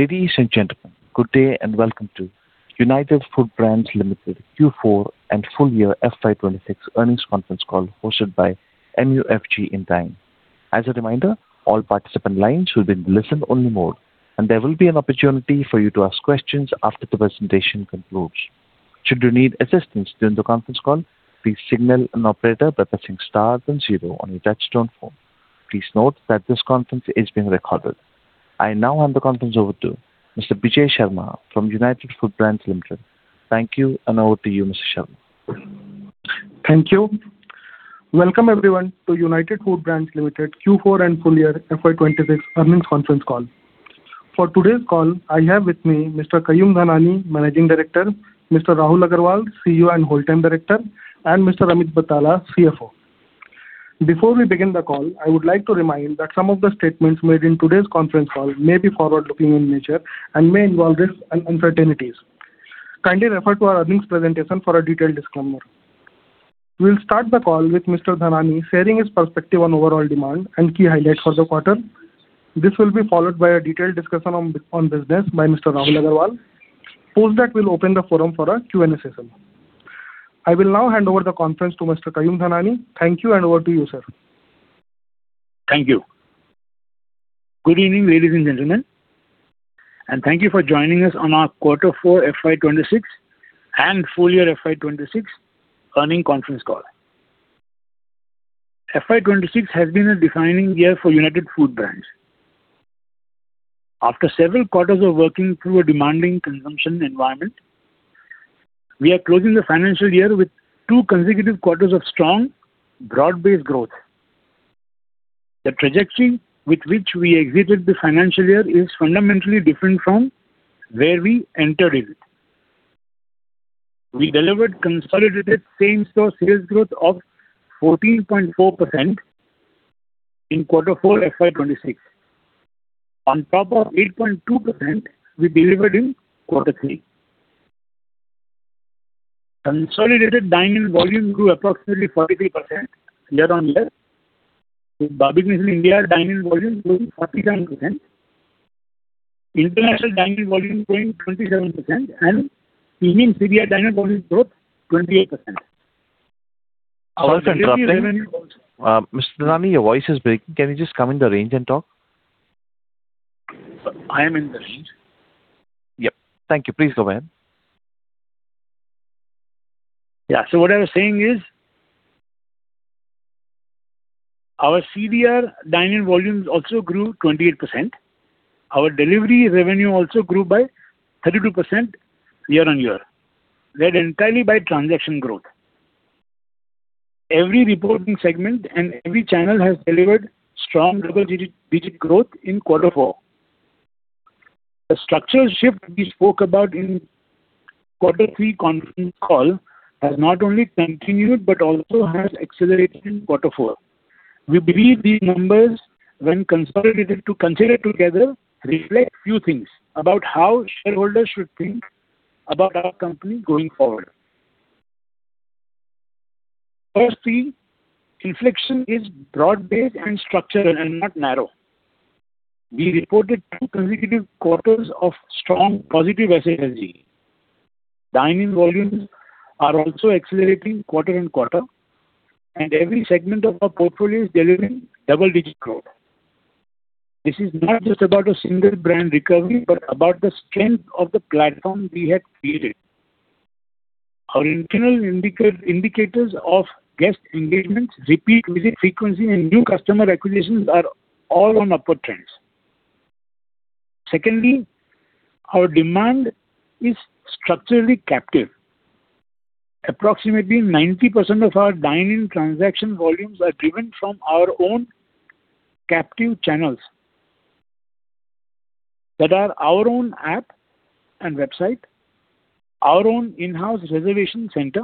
Ladies and gentlemen, good day and welcome to United Foodbrands Limited Q4 and full year FY 2026 earnings conference call hosted by MUFG Intime. As a reminder, all participant lines will be in listen-only mode, and there will be an opportunity for you to ask questions after the presentation concludes. Should you need assistance during the conference call, please signal an operator by pressing star then zero on your touchtone phone. Please note that this conference is being recorded. I now hand the conference over to Mr. Bijay Sharma from United Foodbrands Limited. Thank you and over to you, Mr. Sharma. Thank you. Welcome everyone to United Foodbrands Limited Q4 and full year FY 2026 earnings conference call. For today's call I have with me Mr. Kayum Dhanani, Managing Director; Mr. Rahul Agrawal, CEO and Whole-Time Director; and Mr. Amit Betala, CFO. Before we begin the call, I would like to remind that some of the statements made in today's conference call may be forward-looking in nature and may involve risks and uncertainties. Kindly refer to our earnings presentation for a detailed disclaimer. We'll start the call with Mr. Dhanani sharing his perspective on overall demand and key highlights for the quarter. This will be followed by a detailed discussion on business by Mr. Rahul Agrawal. Post that we'll open the forum for a Q&A session. I will now hand over the conference to Mr. Kayum Dhanani. Thank you and over to you, sir. Thank you. Good evening, ladies and gentlemen, and thank you for joining us on our Q4 FY 2026 and full year FY 2026 earnings conference call. FY 2026 has been a defining year for United Foodbrands. After several quarters of working through a demanding consumption environment, we are closing the financial year with two consecutive quarters of strong broad-based growth. The trajectory with which we exited the financial year is fundamentally different from where we entered it. We delivered consolidated same-store sales growth of 14.4% in Q4 FY 2026. On top of 8.2% we delivered in Q3. Consolidated dine-in volume grew approximately 43% year-on-year, with Barbeque Nation India dine-in volume growing 47%, international dine-in volume growing 27% and Premium CDR dine-in volume growth 28%. Our delivery revenue. Mr. Dhanani, your voice is breaking. Can you just come in the range and talk? I am in the range. Yep. Thank you. Please go ahead. What I was saying is, our CDR dine-in volumes also grew 28%. Our delivery revenue also grew by 32% year-on-year, led entirely by transaction growth. Every reporting segment and every channel has delivered strong double-digit growth in quarter 4. The structural shift we spoke about in quarter 3 conference call has not only continued but also has accelerated in quarter 4. We believe these numbers, when considered together, reflect few things about how shareholders should think about our company going forward. Firstly, inflection is broad-based and structural and not narrow. We reported 2 consecutive quarters of strong positive SSG. Dine-in volumes are also accelerating quarter and quarter, and every segment of our portfolio is delivering double-digit growth. This is not just about a single brand recovery, but about the strength of the platform we have created. Our internal indicators of guest engagements, repeat visit frequency, and new customer acquisitions are all on upward trends. Our demand is structurally captive. Approximately 90% of our dine-in transaction volumes are driven from our own captive channels that are our own app and website, our own in-house reservation center,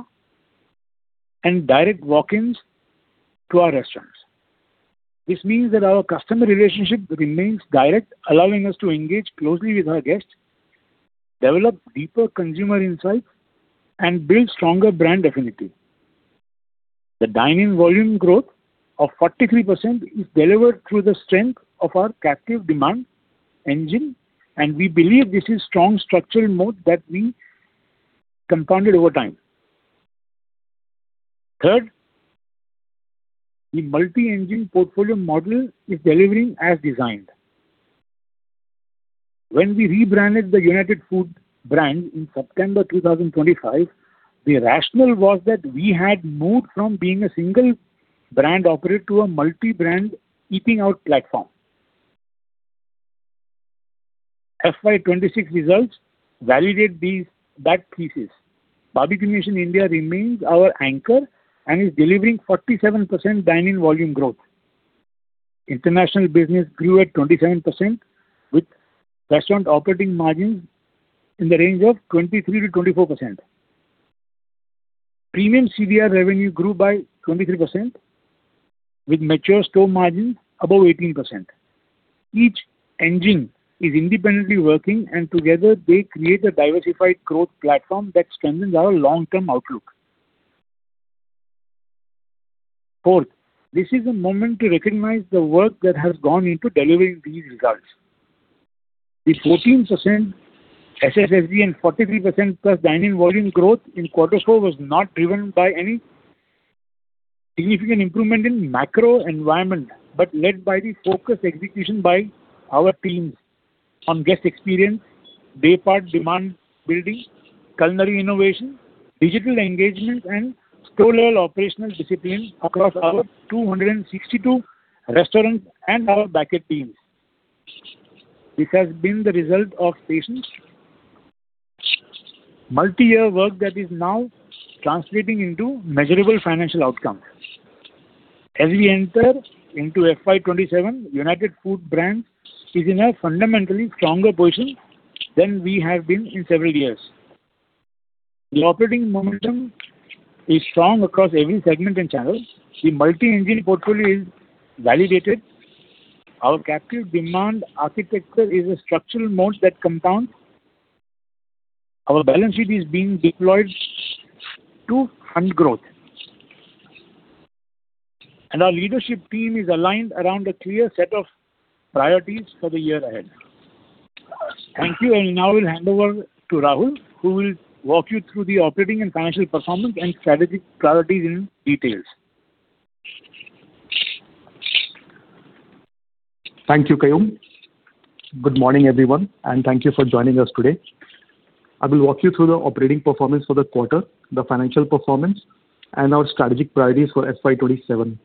and direct walk-ins to our restaurants. This means that our customer relationship remains direct, allowing us to engage closely with our guests, develop deeper consumer insights, and build stronger brand affinity. The dine-in volume growth of 43% is delivered through the strength of our captive demand engine. We believe this is strong structural moat that we compounded over time. The multi-engine portfolio model is delivering as designed. When we rebranded the United Foodbrands in September 2025, the rationale was that we had moved from being a single brand operator to a multi-brand eating out platform. FY 2026 results validate that thesis. Barbeque Nation India remains our anchor and is delivering 47% dine-in volume growth. International business grew at 27% with restaurant operating margin in the range of 23%-24%. Premium CDR revenue grew by 23% with mature store margin above 18%. Each engine is independently working. Together they create a diversified growth platform that strengthens our long-term outlook. Fourth, this is a moment to recognize the work that has gone into delivering these results. The 14% SSSG and 43% plus dine-in volume growth in quarter four was not driven by any significant improvement in macro environment, but led by the focused execution by our teams on guest experience, day-part demand building, culinary innovation, digital engagement and store level operational discipline across our 262 restaurants and our backend teams. This has been the result of patient multi-year work that is now translating into measurable financial outcomes. As we enter into FY 2027, United Foodbrands is in a fundamentally stronger position than we have been in several years. The operating momentum is strong across every segment and channel. The multi-engine portfolio is validated. Our captive demand architecture is a structural moat that compounds. Our balance sheet is being deployed to fund growth. Our leadership team is aligned around a clear set of priorities for the year ahead. Thank you. Now I'll hand over to Rahul, who will walk you through the operating and financial performance and strategic priorities in detail. Thank you, Kayum. Good morning, everyone, and thank you for joining us today. I will walk you through the operating performance for the quarter, the financial performance, and our strategic priorities for FY 2027.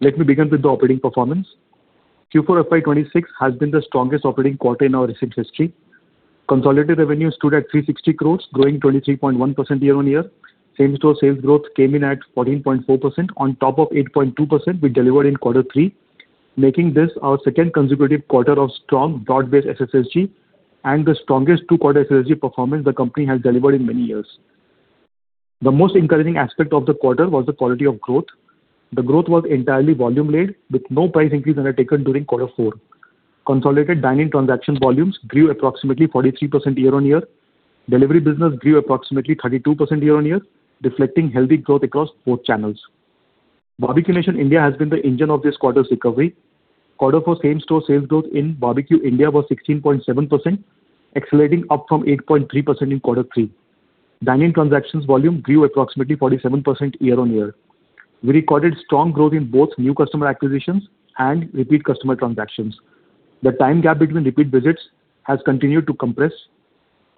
Let me begin with the operating performance. Q4 FY 2026 has been the strongest operating quarter in our recent history. Consolidated revenue stood at INR 360 crores, growing 23.1% year-on-year. Same-store sales growth came in at 14.4% on top of 8.2% we delivered in quarter 3, making this our second consecutive quarter of strong broad-based SSSG and the strongest two-quarter SSSG performance the company has delivered in many years. The most encouraging aspect of the quarter was the quality of growth. The growth was entirely volume-led with no price increase undertaken during quarter 4. Consolidated dine-in transaction volumes grew approximately 43% year-on-year. Delivery business grew approximately 32% year-on-year, reflecting healthy growth across both channels. Barbeque Nation India has been the engine of this quarter's recovery. Quarter four same-store sales growth in Barbeque India was 16.7%, accelerating up from 8.3% in quarter three. Dine-in transactions volume grew approximately 47% year-on-year. We recorded strong growth in both new customer acquisitions and repeat customer transactions. The time gap between repeat visits has continued to compress.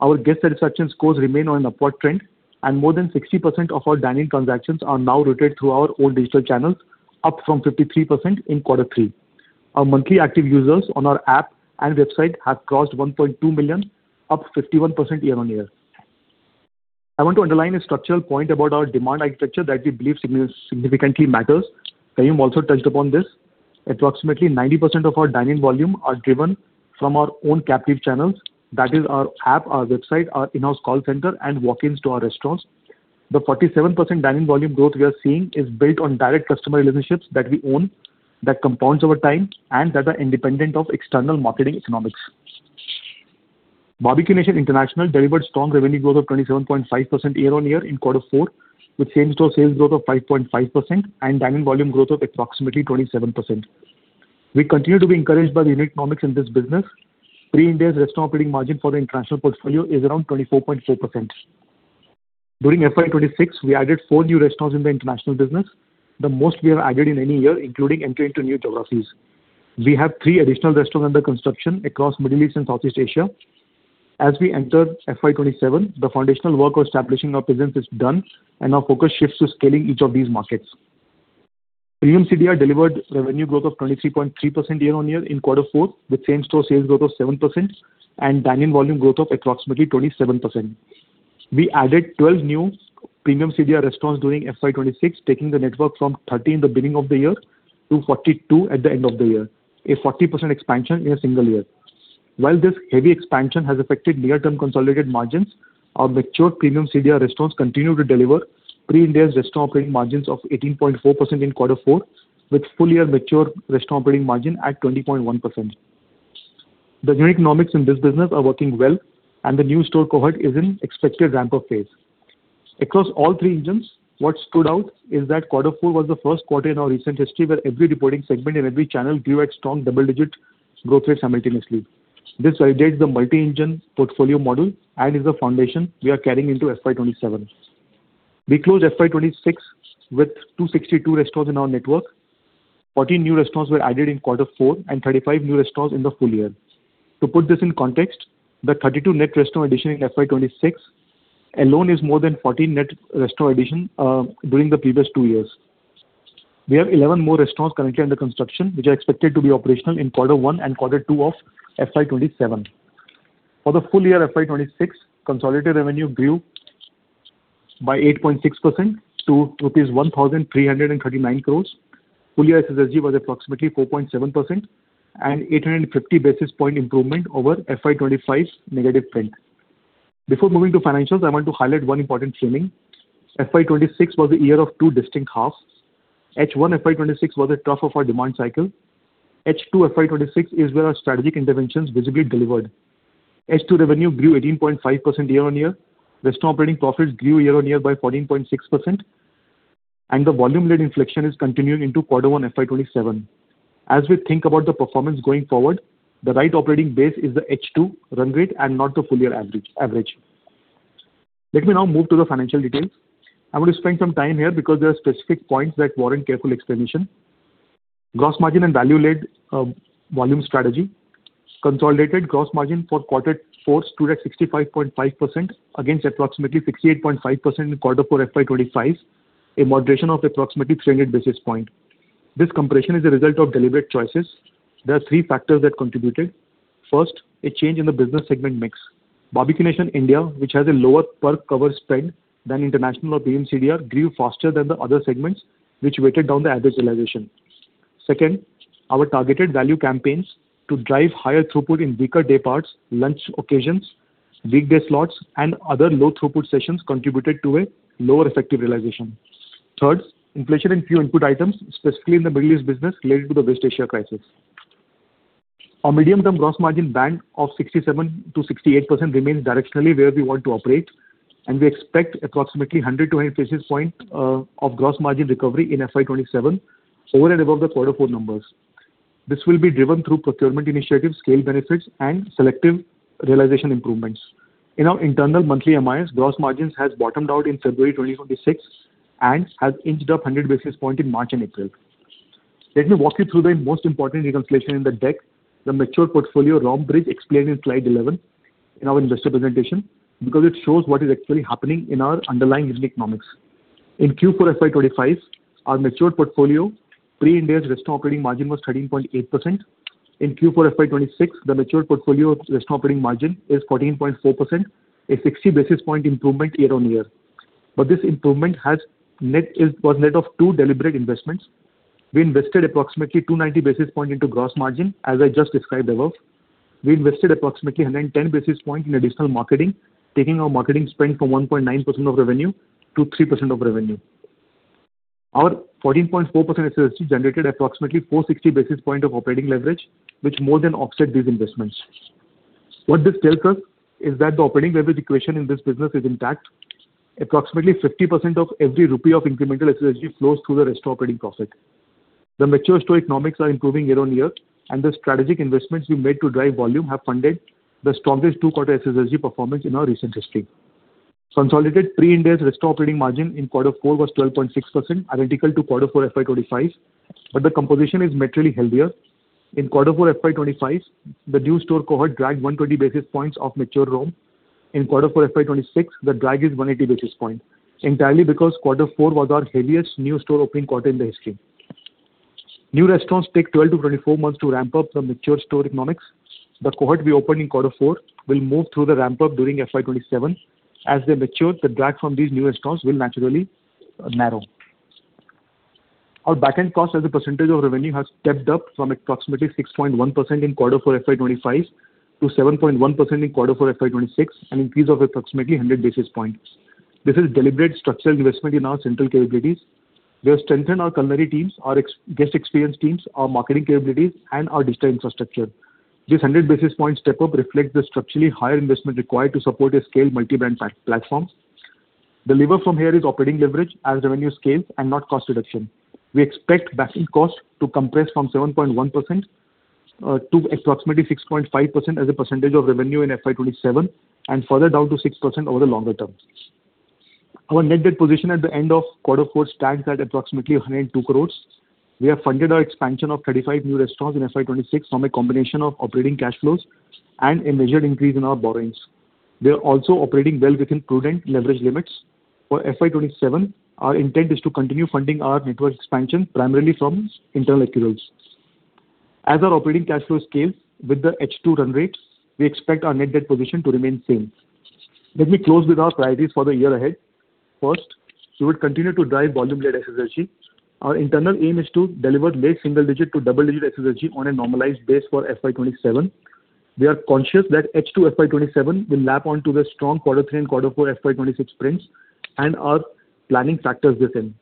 Our guest satisfaction scores remain on an upward trend, and more than 60% of our dine-in transactions are now routed through our own digital channels, up from 53% in quarter 3. Our monthly active users on our app and website have crossed 1.2 million, up 51% year-on-year. I want to underline a structural point about our demand architecture that we believe significantly matters. Kayum also touched upon this. Approximately 90% of our dine-in volume are driven from our own captive channels. That is our app, our website, our in-house call center, and walk-ins to our restaurants. The 47% dine-in volume growth we are seeing is built on direct customer relationships that we own, that compounds over time and that are independent of external marketing economics. Barbeque Nation International delivered strong revenue growth of 27.5% year-on-year in quarter four, with same-store sales growth of 5.5% and dine-in volume growth of approximately 27%. We continue to be encouraged by the unit economics in this business. pre-Ind AS restaurant operating margin for the international portfolio is around 24.4%. During FY 2026, we added new new restaurants in the international business, the most we have added in any year, including entering into new geographies. We have 3 additional restaurants under construction across Middle East and Southeast Asia. As we enter FY 2027, the foundational work of establishing our presence is done, and our focus shifts to scaling each of these markets. Premium CDR delivered revenue growth of 23.3% year-on-year in quarter 4, with same-store sales growth of 7% and dine-in volume growth of approximately 27%. We added 12 new Premium CDR restaurants during FY 2026, taking the network from 30 in the beginning of the year to 42 at the end of the year, a 40% expansion in a single year. While this heavy expansion has affected near-term consolidated margins, our mature Premium CDR restaurants continue to deliver pre-Ind AS restaurant operating margins of 18.4% in quarter 4, with full-year mature restaurant operating margin at 20.1%. The unit economics in this business are working well, and the new store cohort is in expected ramp-up phase. Across all three engines, what stood out is that quarter 4 was the first quarter in our recent history where every reporting segment in every channel grew at strong double-digit growth rate simultaneously. This validates the multi-engine portfolio model and is the foundation we are carrying into FY 2027. We closed FY 2026 with 262 restaurants in our network. 14 new restaurants were added in quarter 4 and 35 new restaurants in the full year. To put this in context, the 32 net restaurant addition in FY 2026 alone is more than 14 net restaurant addition during the previous two years. We have 11 more restaurants currently under construction, which are expected to be operational in quarter 1 and quarter 2 of FY 2027. For the full year FY 2026, consolidated revenue grew by 8.6% to rupees 1,339 crores. Full-year SSSG was approximately 4.7% and 850 basis point improvement over FY 2025's negative trend. Before moving to financials, I want to highlight one important framing. FY 2026 was a year of 2 distinct halves. H1 FY 2026 was a trough of our demand cycle. H2 FY 2026 is where our strategic interventions visibly delivered. H2 revenue grew 18.5% year-on-year. Restaurant operating profits grew year-on-year by 14.6%. The volume-led inflection is continuing into Q1 FY 2027. As we think about the performance going forward, the right operating base is the H2 run rate and not the full year average. Let me now move to the financial details. I want to spend some time here because there are specific points that warrant careful explanation. Gross margin and value-led volume strategy. Consolidated gross margin for quarter four stood at 65.5% against approximately 68.5% in quarter four FY 2025, a moderation of approximately 300 basis points. This compression is a result of deliberate choices. There are three factors that contributed. First, a change in the business segment mix. Barbeque Nation India, which has a lower per cover spend than International or Premium CDR, grew faster than the other segments, which weighted down the average realization. Second, our targeted value campaigns to drive higher throughput in weaker day parts, lunch occasions, weekday slots, and other low throughput sessions contributed to a lower effective realization. Third, inflation in key input items, specifically in the Middle East business related to the West Asia crisis. Our medium-term gross margin band of 67%-68% remains directionally where we want to operate, and we expect approximately 100 to 150 basis point of gross margin recovery in FY 2027 over and above the quarter four numbers. This will be driven through procurement initiatives, scale benefits, and selective realization improvements. In our internal monthly MIS, gross margins has [bottomed] out in February 2026 and has inched up 100 basis point in March and April. Let me walk you through the most important reconciliation in the deck, the mature portfolio ROM bridge explained in slide 11 in our investor presentation, because it shows what is actually happening in our underlying unit economics. In Q4 FY 2025, our mature portfolio pre-Ind AS restaurant operating margin was 13.8%. In Q4 FY 2026, the mature portfolio restaurant operating margin is 14.4%, a 60 basis points improvement year-on-year. This improvement was net of two deliberate investments. We invested approximately 290 basis points into gross margin, as I just described above. We invested approximately 110 basis points in additional marketing, taking our marketing spend from 1.9% of revenue to 3% of revenue. Our 14.4% SSG generated approximately 460 basis points of operating leverage, which more than offset these investments. What this tells us is that the operating leverage equation in this business is intact. Approximately 50% of every rupee of incremental SSG flows through the restaurant operating profit. The mature store economics are improving year-on-year, and the strategic investments we made to drive volume have funded the strongest two-quarter SSG performance in our recent history. Consolidated pre-Ind AS restaurant operating margin in quarter four was 12.6%, identical to quarter four FY 2025, but the composition is materially healthier. In quarter four FY 2025, the new store cohort dragged 120 basis points off mature ROM. In quarter four FY 2026, the drag is 180 basis point, entirely because quarter four was our heaviest new store opening quarter in the history. New restaurants take 12-24 months to ramp up the mature store economics. The cohort we opened in quarter four will move through the ramp-up during FY 2027. As they mature, the drag from these new restaurants will naturally narrow. Our back-end cost as a percentage of revenue has stepped up from approximately 6.1% in quarter four FY 2025 to 7.1% in quarter four FY 2026, an increase of approximately 100 basis points. This is deliberate structural investment in our central capabilities. We have strengthened our culinary teams, our guest experience teams, our marketing capabilities, and our digital infrastructure. This 100 basis point step up reflects the structurally higher investment required to support a scaled multi-brand platform. The lever from here is operating leverage as revenue scales and not cost reduction. We expect back-end cost to compress from 7.1% to approximately 6.5% as a percentage of revenue in FY 2027 and further down to 6% over the longer term. Our net debt position at the end of quarter four stands at approximately 102 crores. We have funded our expansion of 35 new restaurants in FY 2026 from a combination of operating cash flows and a measured increase in our borrowings. We are also operating well within prudent leverage limits. For FY 2027, our intent is to continue funding our network expansion primarily from internal accruals. As our operating cash flow scales with the H2 run rates, we expect our net debt position to remain same. Let me close with our priorities for the year ahead. First, we will continue to drive volume-led SSG. Our internal aim is to deliver mid-single digit to double-digit SSG on a normalized base for FY 2027. We are conscious that H2 FY 2027 will lap onto the strong quarter three and quarter four FY 2026 prints and are planning factors within.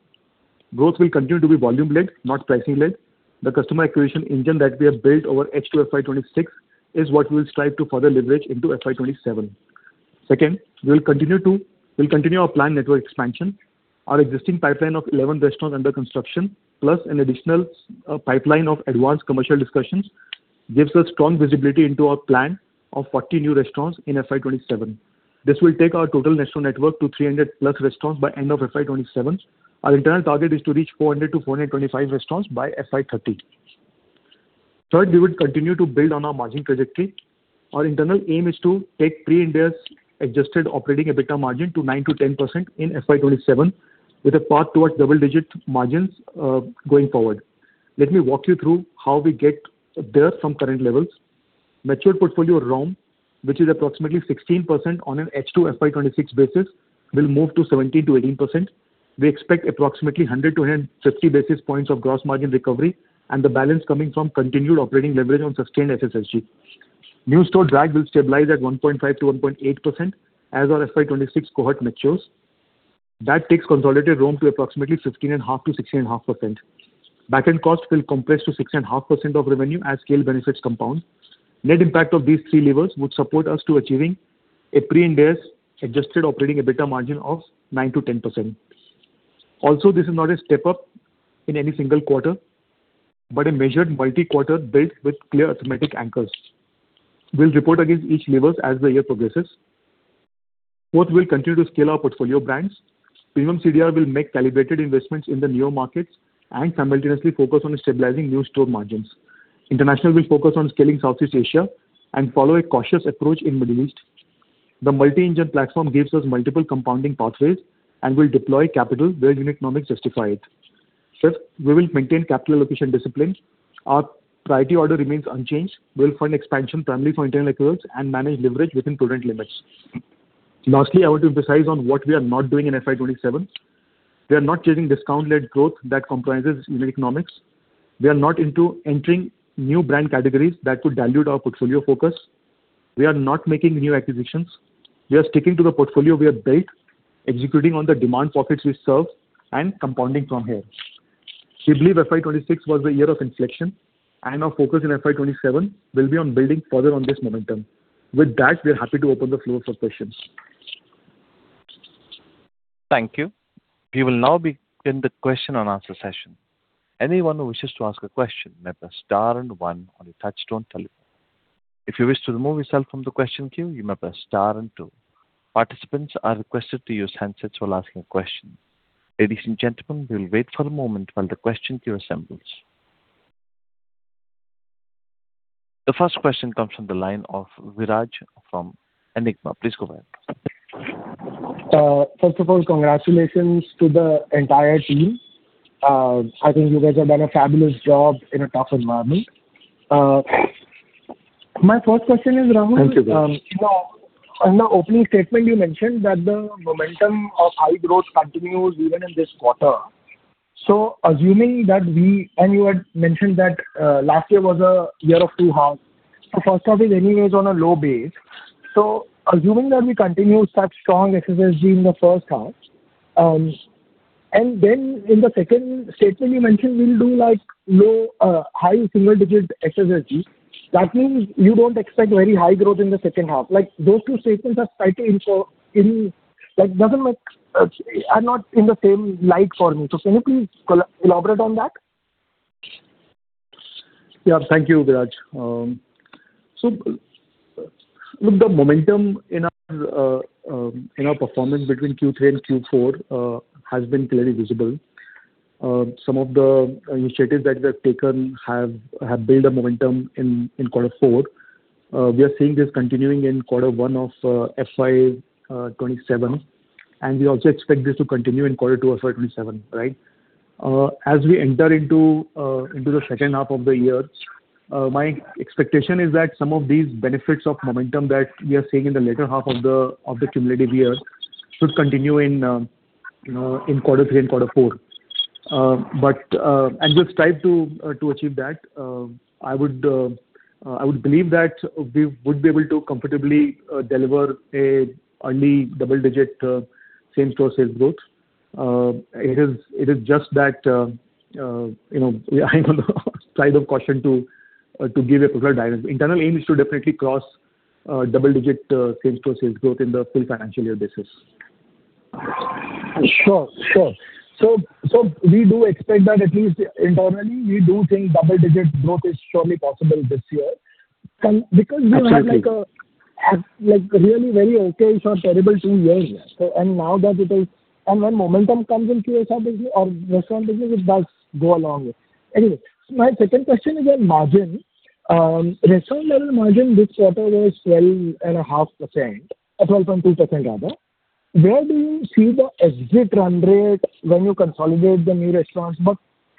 Growth will continue to be volume-led, not pricing-led. The customer acquisition engine that we have built over H2 FY 2026 is what we'll strive to further leverage into FY 2027. Second, we will continue our planned network expansion. Our existing pipeline of 11 restaurants under construction, plus an additional pipeline of advanced commercial discussions, gives us strong visibility into our plan of 40 new restaurants in FY 2027. This will take our total restaurant network to 300+ restaurants by end of FY 2027. Our internal target is to reach 400-425 restaurants by FY 2030. Third, we will continue to build on our margin trajectory. Our internal aim is to take pre-Ind AS adjusted operating EBITDA margin to 9%-10% in FY 2027 with a path towards double-digit margins going forward. Let me walk you through how we get there from current levels. Mature portfolio ROM, which is approximately 16% on an H2 FY 2026 basis, will move to 17%-18%. We expect approximately 100 to 150 basis points of gross margin recovery and the balance coming from continued operating leverage on sustained SSG. New store drag will stabilize at 1.5%-1.8% as our FY 2026 cohort matures. That takes consolidated ROM to approximately 16.5% to 16.5%. Back end cost will compress to 6.5% of revenue as scale benefits compound. Net impact of these three levers would support us to achieving a pre-Ind AS adjusted operating EBITDA margin of 9%-10%. This is not a step up in any single quarter, but a measured multi-quarter build with clear arithmetic anchors. We'll report against each levers as the year progresses. Fourth, we'll continue to scale our portfolio brands. Premium CDR will make calibrated investments in the neo markets and simultaneously focus on stabilizing new store margins. International will focus on scaling Southeast Asia and follow a cautious approach in Middle East. The multi-engine platform gives us multiple compounding pathways, and we'll deploy capital where unit economics justify it. Fifth, we will maintain capital allocation discipline. Our priority order remains unchanged. We'll fund expansion primarily for internal accruals and manage leverage within prudent limits. Lastly, I want to emphasize on what we are not doing in FY 2027. We are not chasing discount-led growth that compromises unit economics. We are not into entering new brand categories that could dilute our portfolio focus. We are not making new acquisitions. We are sticking to the portfolio we have built, executing on the demand pockets we serve, and compounding from here. We believe FY 2026 was the year of inflection, and our focus in FY 2027 will be on building further on this momentum. With that, we are happy to open the floor for questions. Thank you. We will now begin the question and answer session. The first question comes from the line of Viraj from Enigma. Please go ahead. First of all, congratulations to the entire team. I think you guys have done a fabulous job in a tough environment. My first question is, Rahul. Thank you, Viraj. You know, in the opening statement, you mentioned that the momentum of high growth continues even in this quarter. You had mentioned that last year was a year of two halves. The first half is anyways on a low base. Assuming that we continue such strong SSG in the first half, and then in the second statement you mentioned we'll do, like, low, high single-digit SSG. That means you don't expect very high growth in the second half. Like, those two statements are slightly in for me. Like, are not in the same light for me. Can you please elaborate on that? Thank you, Viraj. Look, the momentum in our performance between Q3 and Q4 has been clearly visible. Some of the initiatives that we have taken have built a momentum in quarter 4. We are seeing this continuing in quarter 1 of FY 2027, and we also expect this to continue in quarter 2 of FY 2027, right? As we enter into the second half of the year, my expectation is that some of these benefits of momentum that we are seeing in the latter half of the cumulative year should continue in quarter 3 and quarter 4. We'll strive to achieve that. I would believe that we would be able to comfortably deliver a early double-digit same-store sales growth. It is just that, you know, we are on the side of caution to give a proper guidance. Internal aim is to definitely cross double-digit same-store sales growth in the full financial year basis. Sure. Sure. We do expect that at least internally, we do think double-digit growth is surely possible this year. Absolutely. Like really very okay-ish or terrible two years. When momentum comes in QSR business or restaurant business, it does go a long way. Anyway, my second question is on margin. Restaurant level margin this quarter was 12.5% or 12.2% rather. Where do you see the exit run rate when you consolidate the new restaurants?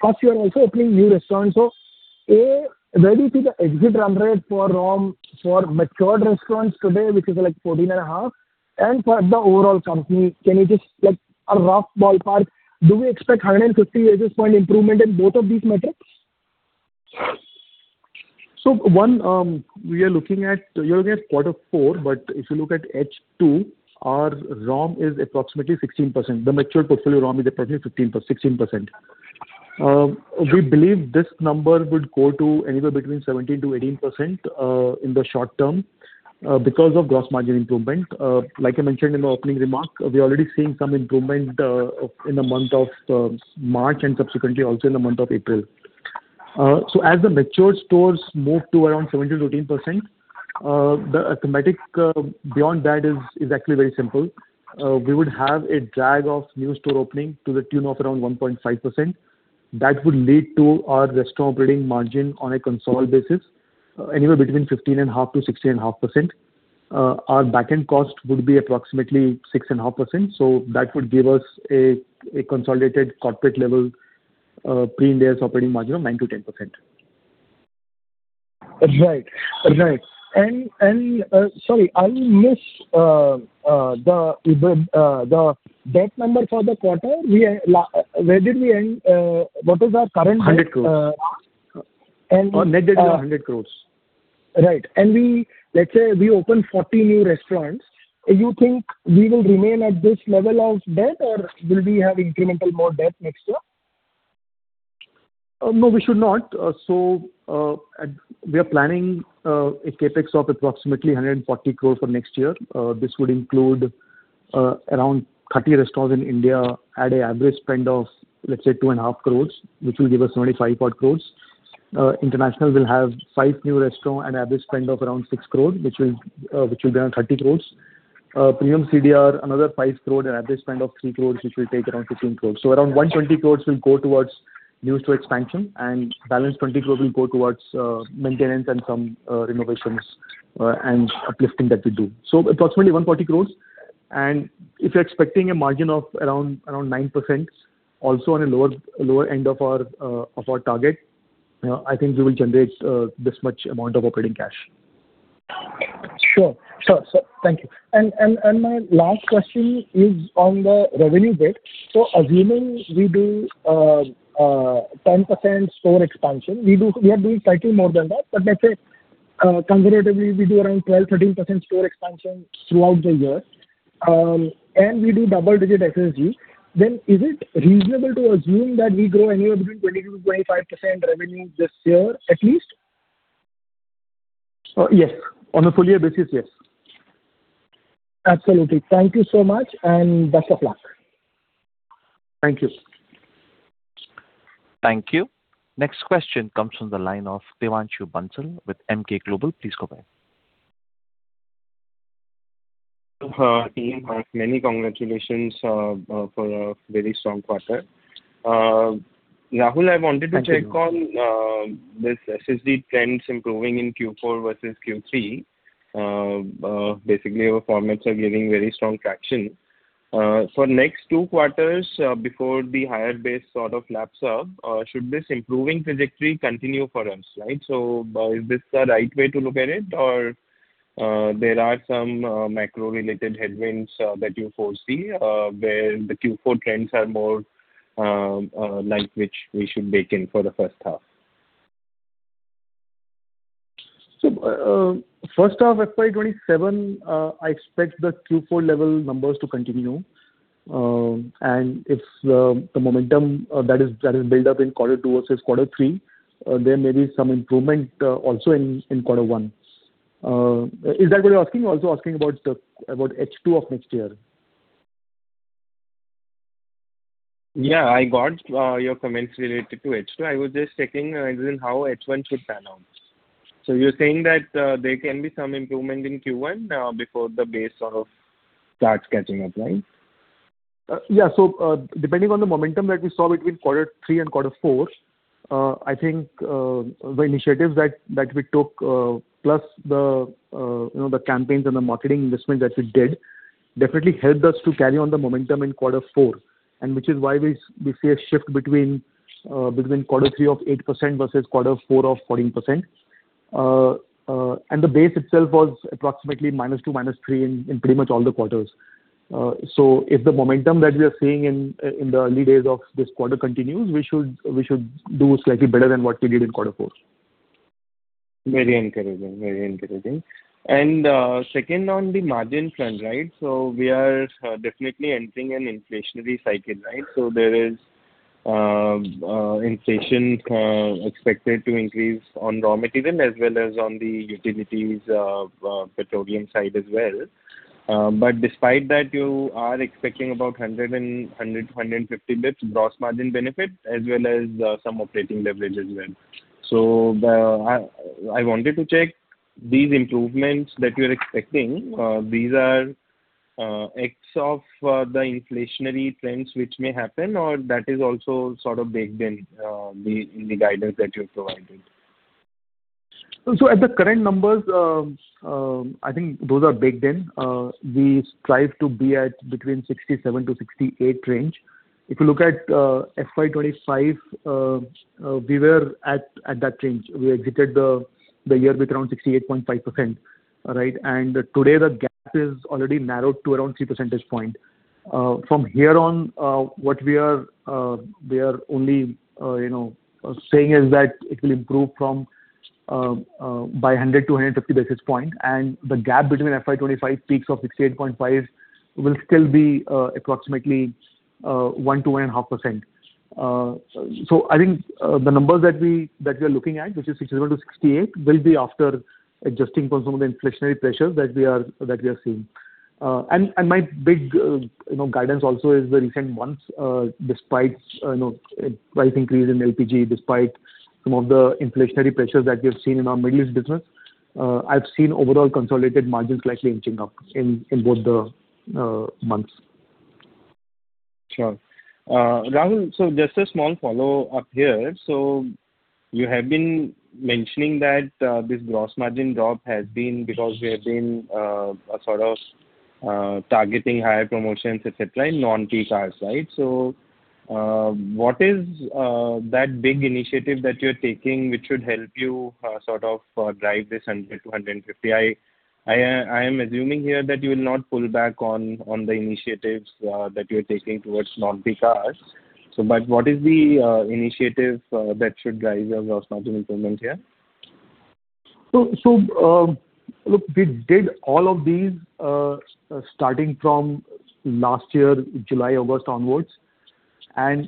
First, you're also opening new restaurants. A, where do you see the exit run rate for ROM for matured restaurants today, which is like 14.5%, and for the overall company? Can you just like a rough ballpark? Do we expect 150 basis point improvement in both of these metrics? One, we are looking at, you are looking at Q4, but if you look at H2, our ROM is approximately 16%. The matured portfolio ROM is approximately 15%, 16%. We believe this number would go to anywhere between 17%-18% in the short term because of gross margin improvement. Like I mentioned in my opening remarks, we're already seeing some improvement in the month of March and subsequently also in the month of April. As the matured stores move to around 17%-18%, the arithmetic beyond that is exactly very simple. We would have a drag of new store opening to the tune of around 1.5%. That would lead to our restaurant operating margin on a consolidated basis, anywhere between 15.5%-16.5%. Our back end cost would be approximately 6.5%, so that would give us a consolidated corporate level pre-Ind AS operating margin of 9%-10%. Right. Right. Sorry, I missed the debt number for the quarter. Where did we end? What is our current debt? 100 crores. Uh, and, uh- Our net debt is 100 crores. Right. Let's say we open 40 new restaurants, you think we will remain at this level of debt or will we have incremental more debt next year? No, we should not. We are planning a CapEx of approximately 140 crore for next year. This would include around 30 restaurants in India at a average spend of, let's say, 2.5 crore, which will give us only 5 crore. International will have five new restaurant and average spend of around 6 crore, which will be around 30 crore. Premium CDR, another 5 and average spend of 3 crore which will take around 15 crore. Around 120 crore will go towards new store expansion and balance 20 crore will go towards maintenance and some renovations and uplifting that we do. Approximately 140 crore. If you're expecting a margin of around 9%, also on a lower end of our target, I think we will generate this much amount of operating cash. Sure. Sure, sir. Thank you. My last question is on the revenue bit. Assuming we do 10% store expansion, we are doing slightly more than that. Let's say conservatively we do around 12%-13% store expansion throughout the year, and we do double-digit SSG. Is it reasonable to assume that we grow anywhere between 22%-25% revenue this year at least? Yes. On a full year basis, yes. Absolutely. Thank you so much and best of luck. Thank you. Thank you. Next question comes from the line of Devanshu Bansal with Emkay Global. Please go ahead. Team, many congratulations for a very strong quarter. Rahul, I wanted to check on. Thank you. This SSG trends improving in Q4 versus Q3. Basically your formats are giving very strong traction. For next 2 quarters, before the higher base sort of laps up, should this improving trajectory continue for us? Right. Is this the right way to look at it or there are some macro related headwinds that you foresee where the Q4 trends are more like which we should bake in for the first half? First half FY 2027, I expect the Q4 level numbers to continue. If the momentum that is built up in quarter two versus quarter three, there may be some improvement also in quarter one. Is that what you're asking also asking about H2 of next year? Yeah, I got your comments related to H2. I was just checking again how H1 should pan out. You're saying that there can be some improvement in Q1 before the base sort of starts catching up. Right? Yeah. Depending on the momentum that we saw between quarter three and quarter four, I think the initiatives that we took, plus the, you know, the campaigns and the marketing investment that we did definitely helped us to carry on the momentum in quarter four, and which is why we see a shift between quarter three of 8% versus quarter four of 14%. The base itself was approximately -2% to -3% in pretty much all the quarters. If the momentum that we are seeing in the early days of this quarter continues, we should do slightly better than what we did in quarter four. Very encouraging. Very encouraging. Second on the margin front, right. We are definitely entering an inflationary cycle, right? There is inflation expected to increase on raw material as well as on the utilities, petroleum side as well. Despite that you are expecting about 100 to 150 basis points gross margin benefit as well as some operating leverage as well. I wanted to check these improvements that you're expecting, these are ex of the inflationary trends which may happen or that is also sort of baked in the guidance that you're providing. At the current numbers, I think those are baked in. We strive to be at between 67-68 range. If you look at FY 2025, we were at that range. We exited the year with around 68.5%, right? Today the gap is already narrowed to around 3 percentage point. From here on, what we are only, you know, saying is that it will improve from by 100 to 150 basis point and the gap between FY 2025 peaks of 68.5% will still be approximately 1% to 1.5%. I think, the numbers that we are looking at which is 67-68 will be after adjusting for some of the inflationary pressures that we are seeing. My big, you know, guidance also is the recent months, despite, you know, a price increase in LPG, despite some of the inflationary pressures that we have seen in our Middle East business, I've seen overall consolidated margins slightly inching up in both the months. Sure. Rahul, just a small follow-up here. You have been mentioning that this gross margin drop has been because we have been sort of targeting higher promotions, et cetera, in non-peak hours, right? What is that big initiative that you're taking which should help you sort of drive this 100-150? I am assuming here that you will not pull back on the initiatives that you're taking towards non-peak hours. What is the initiative that should drive your gross margin improvement here? Look, we did all of these, starting from last year, July, August onwards, and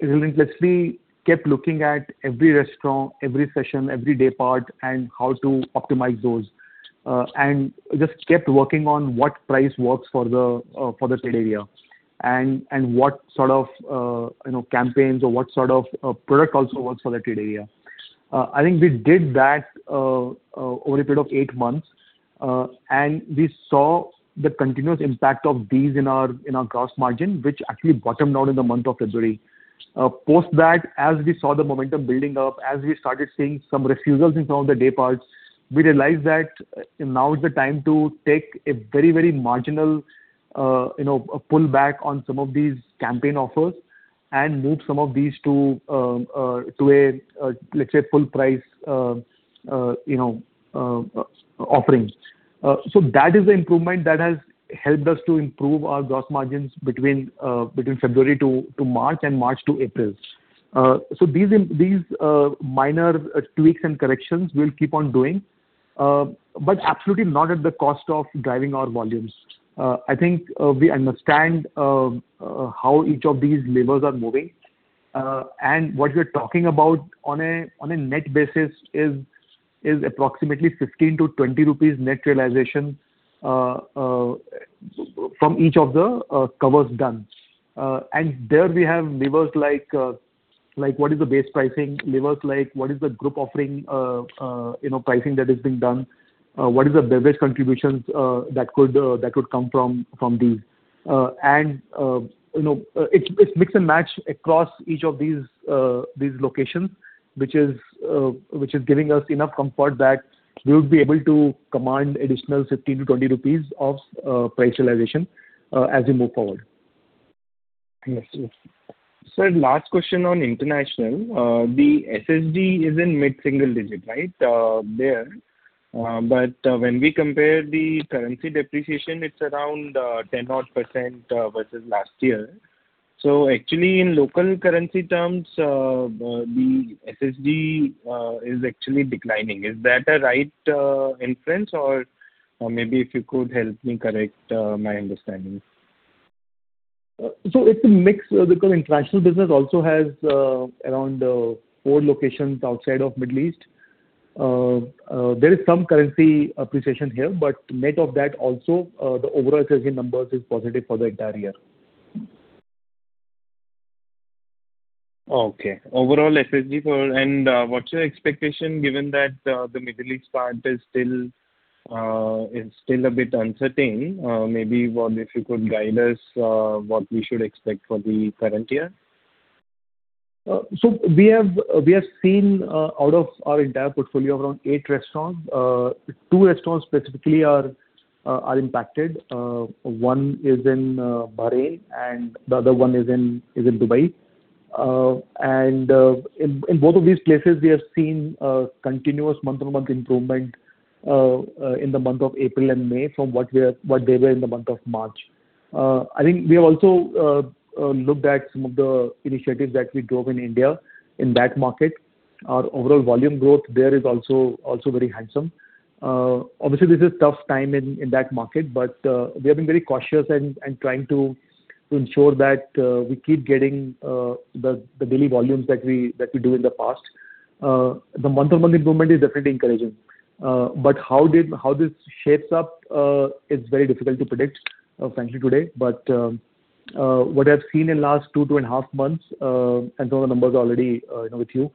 relentlessly kept looking at every restaurant, every session, every day part and how to optimize those. Just kept working on what price works for the trade area and what sort of, you know, campaigns or what sort of a product also works for the trade area. I think we did that over a period of eight months, and we saw the continuous impact of these in our gross margin, which actually bottomed out in the month of February. Post that, as we saw the momentum building up, as we started seeing some refusals in some of the day parts, we realized that now is the time to take a very, very marginal, you know, pull back on some of these campaign offers and move some of these to a, let's say, full price, you know, offerings. So that is the improvement that has helped us to improve our gross margins between February to March and March to April. So these minor tweaks and corrections we'll keep on doing, but absolutely not at the cost of driving our volumes. I think we understand how each of these levers are moving. And what we're talking about on a net basis is approximately 15-20 rupees net realization from each of the covers done. And there we have levers like what is the base pricing, levers like what is the group offering, you know, pricing that is being done, what is the beverage contributions that could come from these. And, you know, it's mix and match across each of these locations, which is giving us enough comfort that we would be able to command additional 15-20 rupees of price realization as we move forward. Yes, yes. Sir, last question on international. The SSG is in mid-single digit, right, there? When we compare the currency depreciation, it's around 10 odd % versus last year. Actually, in local currency terms, the SSG is actually declining. Is that a right inference or maybe if you could help me correct my understanding? It's a mix because international business also has around four locations outside of Middle East. There is some currency appreciation here, but net of that also, the overall SSG numbers is positive for the entire year. Okay. Overall SSG for, what's your expectation given that the Middle East part is still a bit uncertain? Maybe if you could guide us what we should expect for the current year. We have seen out of our entire portfolio of around 8 restaurants, two restaurants specifically are impacted. One is in Bahrain and the other one is in Dubai. In both of these places, we have seen continuous month-on-month improvement in the month of April and May from what they were in the month of March. I think we have also looked at some of the initiatives that we drove in India in that market. Our overall volume growth there is also very handsome. Obviously, this is tough time in that market, but we have been very cautious and trying to ensure that we keep getting the daily volumes that we do in the past. The month on month improvement is definitely encouraging. How this shapes up is very difficult to predict, frankly today. What I've seen in last 2.5 months, and some of the numbers already, you know, with you,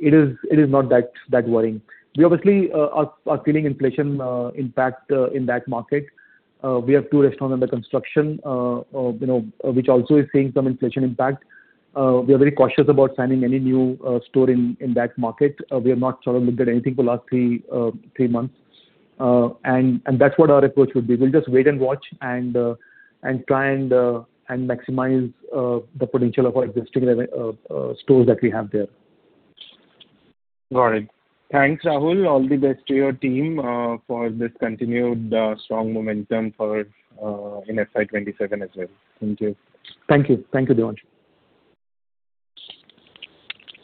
it is not that worrying. We obviously are feeling inflation impact in that market. We have two restaurants under construction, you know, which also is seeing some inflation impact. We are very cautious about signing any new store in that market. We have not sort of looked at anything for last three months. That's what our approach would be. We'll just wait and watch and try and maximize the potential of our existing stores that we have there. Got it. Thanks, Rahul. All the best to your team, for this continued, strong momentum for, in FY 2027 as well. Thank you. Thank you. Thank you, Devansh.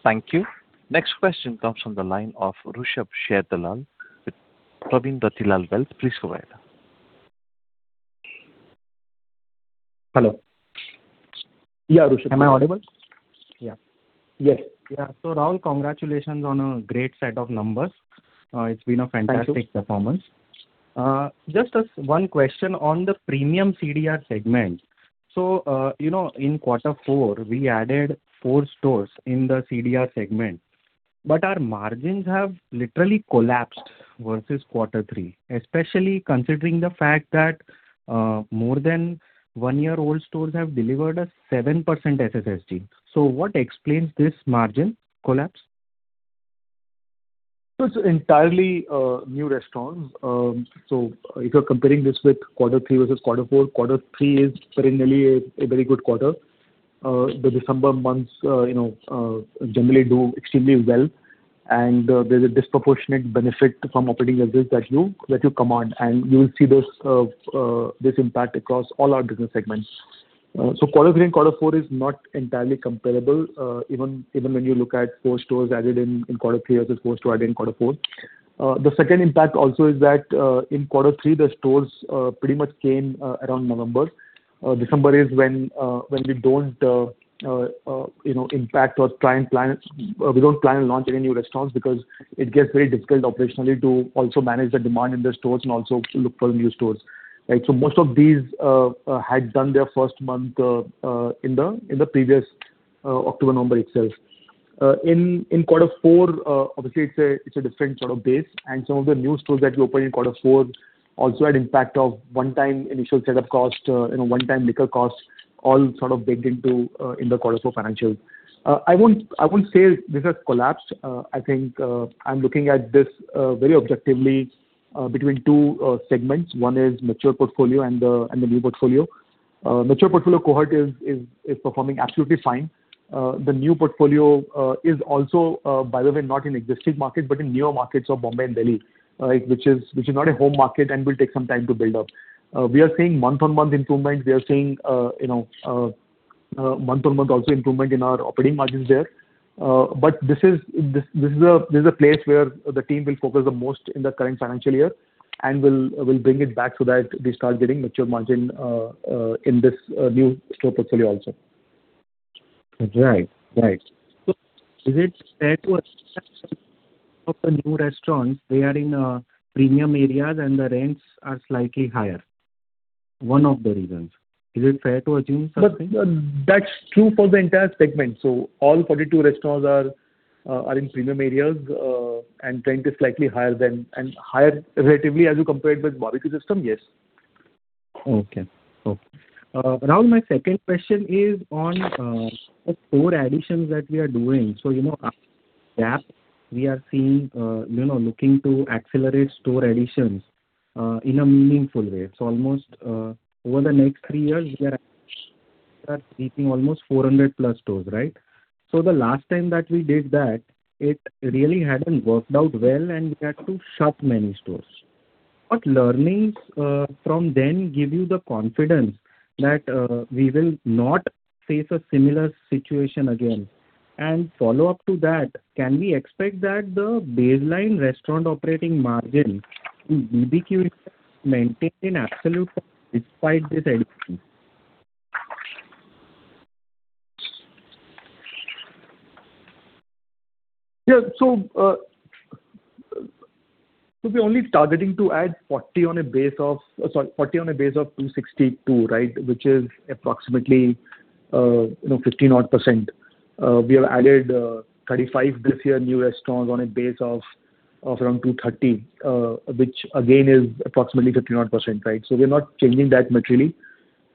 Thank you. Next question comes from the line of Rushabh Sharedalal with Pravin Ratilal Please go ahead. Hello. Yeah, Rushabh. Am I audible? Yeah. Yes. Yeah. Rahul, congratulations on a great set of numbers. Thank you. -fantastic performance. Just a one question on the Premium CDR segment. You know, in quarter four, we added four stores in the CDR segment, but our margins have literally collapsed versus quarter three, especially considering the fact that, more than one year old stores have delivered a 7% SSSG. What explains this margin collapse? It's entirely new restaurants. If you're comparing this with quarter 3 versus quarter 4, quarter 3 is perennially a very good quarter. The December months, you know, generally do extremely well. There's a disproportionate benefit from operating as this that you command, and you will see this impact across all our business segments. Quarter 3 and quarter 4 is not entirely comparable, even when you look at four stores added in quarter 3 as opposed to adding quarter 4. The second impact also is that in quarter 3, the stores pretty much came around November. December is when, you know, we don't plan to launch any new restaurants because it gets very difficult operationally to also manage the demand in the stores and also to look for new stores, right? Most of these had done their first month in the previous October-November itself. In quarter 4, obviously it's a different sort of base, and some of the new stores that we opened in quarter 4 also had impact of one time initial setup cost, you know, one time liquor cost all sort of baked into in the quarter 4 financials. I won't say this has collapsed. I think I'm looking at this very objectively between two segments. One is mature portfolio and the new portfolio. Mature portfolio cohort is performing absolutely fine. The new portfolio is also, by the way, not in existing markets but in newer markets of Bombay and Delhi, which is not a home market and will take some time to build up. We are seeing month-on-month improvement. We are seeing, you know, month-on-month also improvement in our operating margins there. This is a place where the team will focus the most in the current financial year and will bring it back so that we start getting mature margin in this new store portfolio also. Right. Right. Is it fair to assume of the new restaurants, they are in premium areas and the rents are slightly higher? One of the reasons. Is it fair to assume something? That's true for the entire segment. All 42 restaurants are in premium areas, and rent is higher relatively as you compare it with Barbeque Nation, yes. Okay. Okay. My second question is on store additions that we are doing. You know, at [TAP], we are seeing, you know, looking to accelerate store additions in a meaningful way. Almost over the next three years, we are keeping almost 400+ stores, right? The last time that we did that, it really hadn't worked out well, and we had to shut many stores. What learnings from then give you the confidence that we will not face a similar situation again? Follow-up to that, can we expect that the baseline restaurant operating margin in BBQ maintained in absolute despite this increase? Yeah. we're only targeting to add 40 on a base of 262, right? Which is approximately, you know, 15 odd %. We have added 35 this year new restaurants on a base of around 230, which again is approximately 15 odd %, right? We're not changing that materially.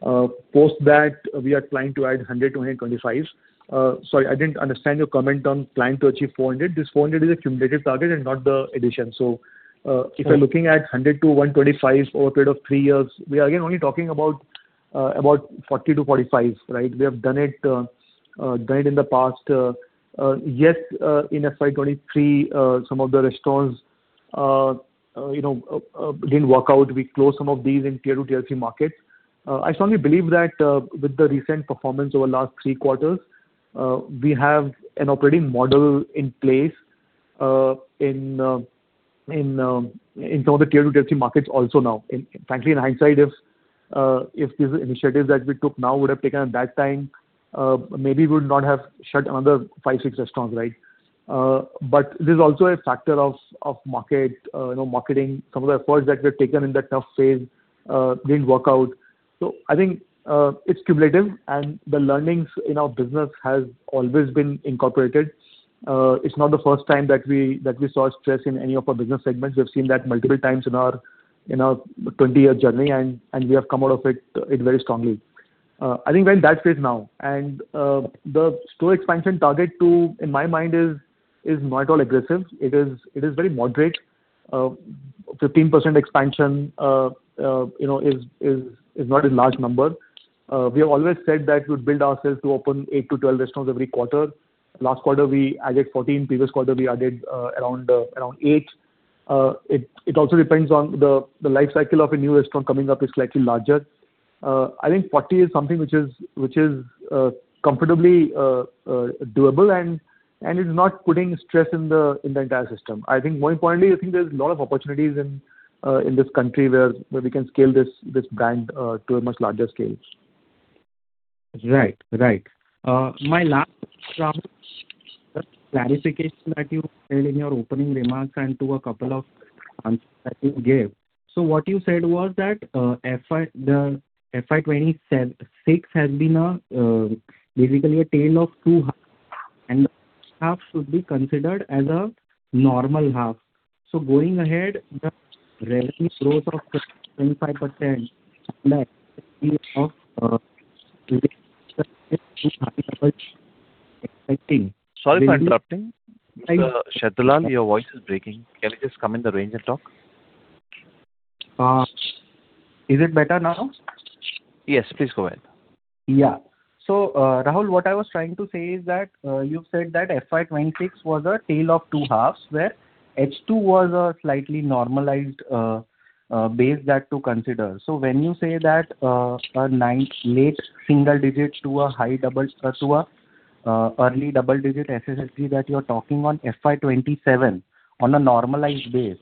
Post that, we are planning to add 100 to 125. Sorry, I didn't understand your comment on planning to achieve 400. This 400 is a cumulative target and not the addition. Okay. If you're looking at 100 to 125 over a period of three years, we are again only talking about 40 to 45, right. We have done it in the past. Yes, in FY 2023, some of the restaurants, you know, didn't work out. We closed some of these in tier 2, tier 3 markets. I strongly believe that with the recent performance over last 3 quarters, we have an operating model in place in some of the tier 2, tier 3 markets also now. Frankly, in hindsight if these initiatives that we took now would have taken at that time, maybe we would not have shut another five, six restaurants, right. But there's also a factor of market, you know, marketing. Some of the efforts that were taken in that tough phase, didn't work out. I think, it's cumulative, and the learnings in our business has always been incorporated. It's not the first time that we saw stress in any of our business segments. We have seen that multiple times in our 20-year journey and we have come out of it very strongly. I think we're in that phase now. The store expansion target to, in my mind is not at all aggressive. It is very moderate. 15% expansion, you know, is not a large number. We have always said that we'd build ourselves to open eight to 12 restaurants every quarter. Last quarter we added 14, previous quarter we added around 8. It, it also depends on the life cycle of a new restaurant coming up is slightly larger. I think 40 is something which is, which is comfortably doable and is not putting stress in the, in the entire system. I think more importantly, I think there's a lot of opportunities in this country where we can scale this brand to a much larger scale. Right. Right. My last clarification that you said in your opening remarks and to a couple of answers that you gave. What you said was that, the FY 2026 has been basically a tale of two and the half should be considered as a normal half. Going ahead, the relative growth of 25% expecting- Sorry for interrupting. Mr. Sharedalal, your voice is breaking. Can you just come in the range and talk? Is it better now? Yes, please go ahead. Rahul, what I was trying to say is that you said that FY 2026 was a tale of two halves, where H2 was a slightly normalized base that to consider. When you say that a nine late single digit to a high double, to an early double-digit SSSG that you're talking on FY 2027 on a normalized base.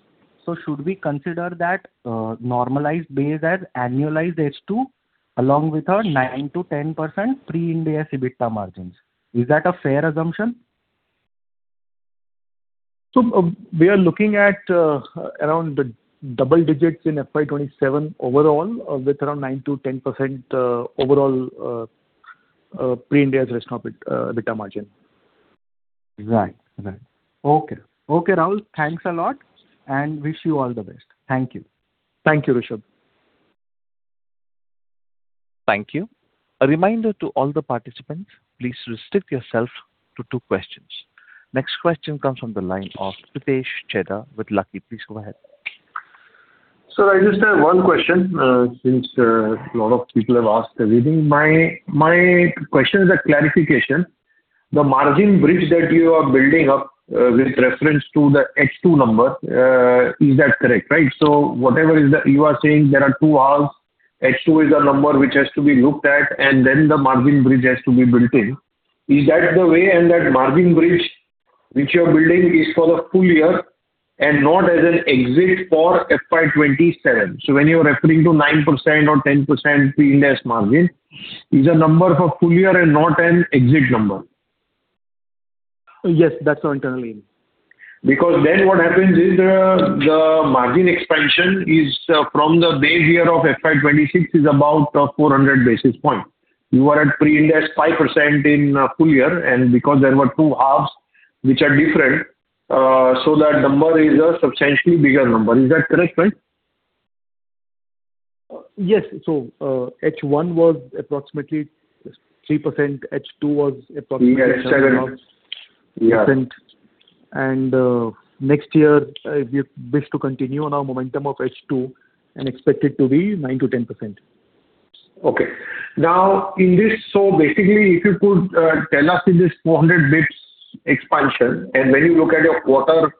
Should we consider that normalized base as annualized H2 along with our 9%-10% pre-Ind AS EBITDA margins? Is that a fair assumption? We are looking at around the double digits in FY 2027 overall, with around 9%-10% overall, pre-Ind AS restaurant EBITDA margin. Right. Right. Okay. Okay, Rahul. Thanks a lot, and wish you all the best. Thank you. Thank you, Rushabh. Thank you. A reminder to all the participants, please restrict yourself to two questions. Next question comes from the line of Pritesh Chheda with Lucky. Please go ahead. Sir, I just have one question, since a lot of people have asked everything. My, my question is a clarification. The margin bridge that you are building up, with reference to the H2 number, is that correct, right? Whatever you are saying there are 2 halves. H2 is a number which has to be looked at, and then the margin bridge has to be built in. Is that the way? That margin bridge which you're building is for the full year and not as an exit for FY 2027. When you're referring to 9% or 10% pre-Ind AS margin is a number for full year and not an exit number. Yes, that's what internally mean. What happens is the margin expansion is from the base year of FY 2026 is about 400 basis point. You are at pre-Ind AS 5% in full year, because there were two halves which are different, that number is a substantially bigger number. Is that correct, right? yes. H1 was approximately 3%. H2 was approximately. Yeah, H2 was Yeah. 7% or 8%. Next year, we wish to continue on our momentum of H2 and expect it to be 9%-10%. Okay. Now in this, basically if you could tell us in this 400 basis points expansion, and when you look at your quarter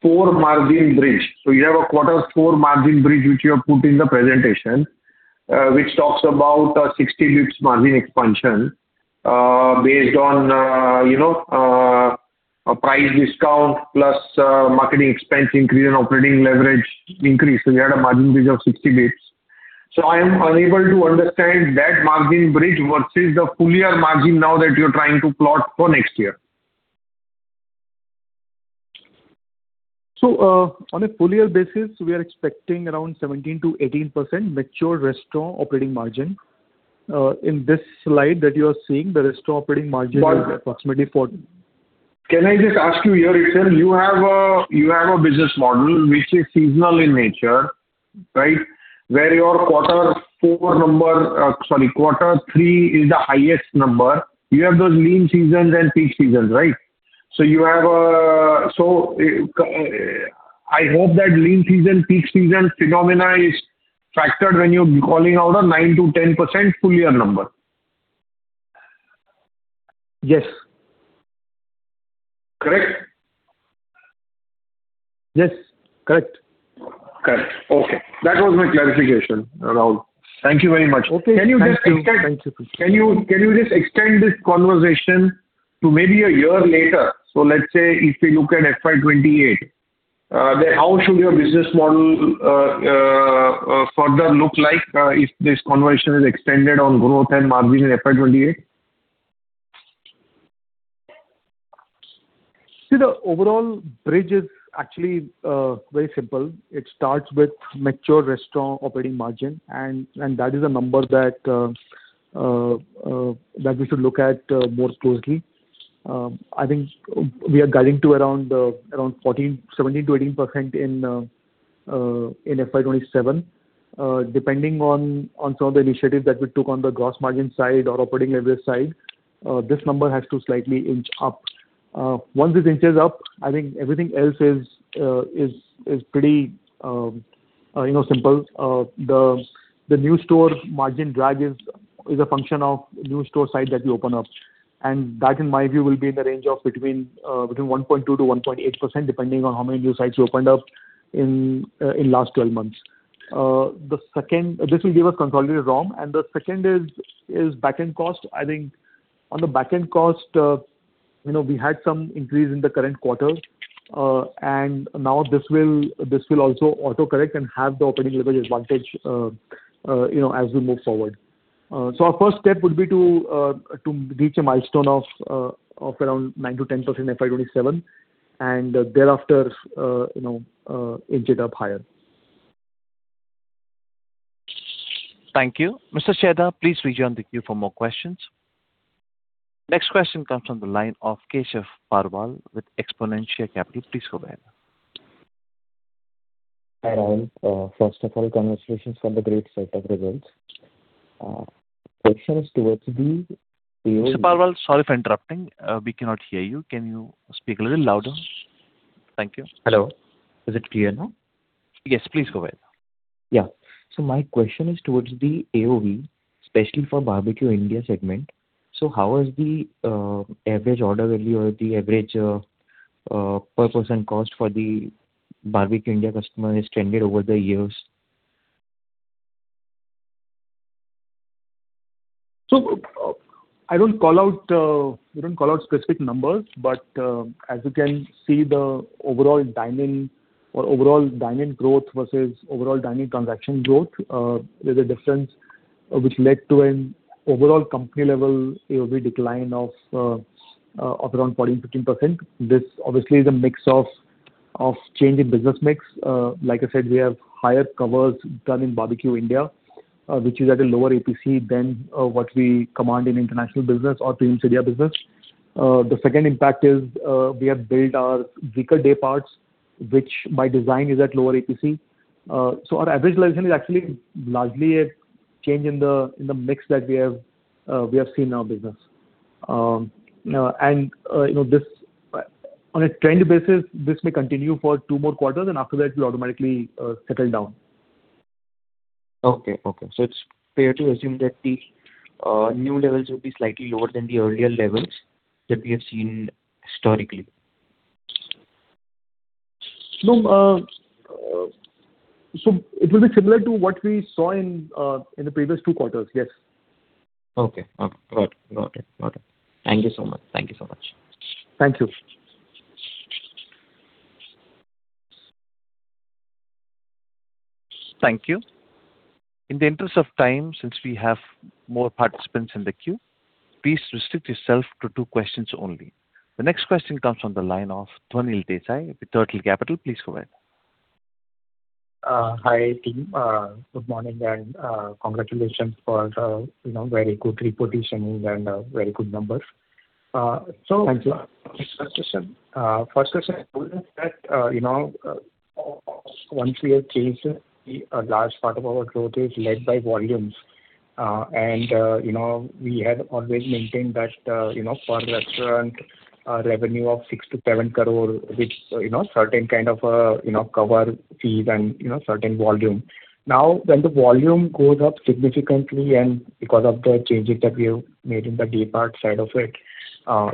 four margin bridge. You have a quarter four margin bridge, which you have put in the presentation, which talks about a 60 basis points margin expansion, based on, you know, a price discount plus marketing expense increase and operating leverage increase. We had a margin bridge of 60 basis points. I am unable to understand that margin bridge versus the full year margin now that you're trying to plot for next year. On a full year basis, we are expecting around 17%-18% mature restaurant operating margin. In this slide that you are seeing, the restaurant operating margin. But- is approximately 14. Can I just ask you here? If you have a, you have a business model which is seasonal in nature, right? Where your quarter four number, sorry, quarter three is the highest number. You have those lean seasons and peak seasons, right? I hope that lean season, peak season phenomena is factored when you're calling out a 9%-10% full year number. Yes. Correct? Yes. Correct. Correct. Okay. That was my clarification, Rahul. Thank you very much. Okay. Thank you. Can you just extend? Thank you. Can you just extend this conversation to maybe a year later? Let's say if we look at FY 2028, then how should your business model further look like if this conversion is extended on growth and margin in FY 2028? See, the overall bridge is actually very simple. It starts with mature restaurant operating margin, and that is a number that we should look at more closely. I think we are guiding to around 14%, 17%-18% in FY 2027. Depending on some of the initiatives that we took on the gross margin side or operating leverage side, this number has to slightly inch up. Once it inches up, I think everything else is pretty, you know, simple. The new store margin drag is a function of new store site that we open up. In my view, that will be in the range of between 1.2%-1.8%, depending on how many new sites we opened up in last 12 months. This will give us consolidated ROM. The second is back-end cost. I think on the back-end cost, you know, we had some increase in the current quarter, and now this will also autocorrect and have the operating leverage advantage, you know, as we move forward. Our first step would be to reach a milestone of around 9%-10% in FY 2027 and thereafter, you know, inch it up higher. Thank you. Mr. Chheda, please rejoin the queue for more questions. Next question comes from the line of Keshav Parwal with Xponentia Capital. Please go ahead. Hi, Rahul. First of all, congratulations on the great set of results. Question is towards the AOV. Mr. Parwal, sorry for interrupting. We cannot hear you. Can you speak a little louder? Thank you. Hello. Is it clear now? Yes, please go ahead. Yeah. My question is towards the AOV, especially for Barbeque India segment. How is the average order value or the average per person cost for the Barbeque India customer has trended over the years? I don't call out, we don't call out specific numbers, but as you can see the overall dine-in or overall dine-in growth versus overall dine-in transaction growth, there's a difference which led to an overall company level AOV decline of around 14%-15%. This obviously is a mix of change in business mix. Like I said, we have higher covers done in Barbeque India, which is at a lower APC than what we command in international business or Premium CDR business. The second impact is, we have built our weaker day parts, which by design is at lower APC. Our average realization is actually largely a change in the, in the mix that we have, we have seen in our business. You know, on a trend basis, this may continue for two more quarters, and after that it'll automatically settle down. Okay. Okay. It's fair to assume that the new levels will be slightly lower than the earlier levels that we have seen historically. So it will be similar to what we saw in the previous 2 quarters. Yes. Okay. Okay. Got it. Got it. Got it. Thank you so much. Thank you so much. Thank you. Thank you. In the interest of time, since we have more participants in the queue, please restrict yourself to two questions only. The next question comes from the line of Dhwanil Desai with Turtle Capital. Please go ahead. Hi, team. Good morning, and congratulations for the, you know, very good repositioning and very good numbers. Thank you. First question is that, you know, once we have changed a large part of our growth is led by volumes. You know, we had always maintained that, you know, per restaurant, revenue of 6 crore to 7 crore, which, you know, certain kind of, you know, cover fees and, you know, certain volume. Now, when the volume goes up significantly and because of the changes that we have made in the day part side of it,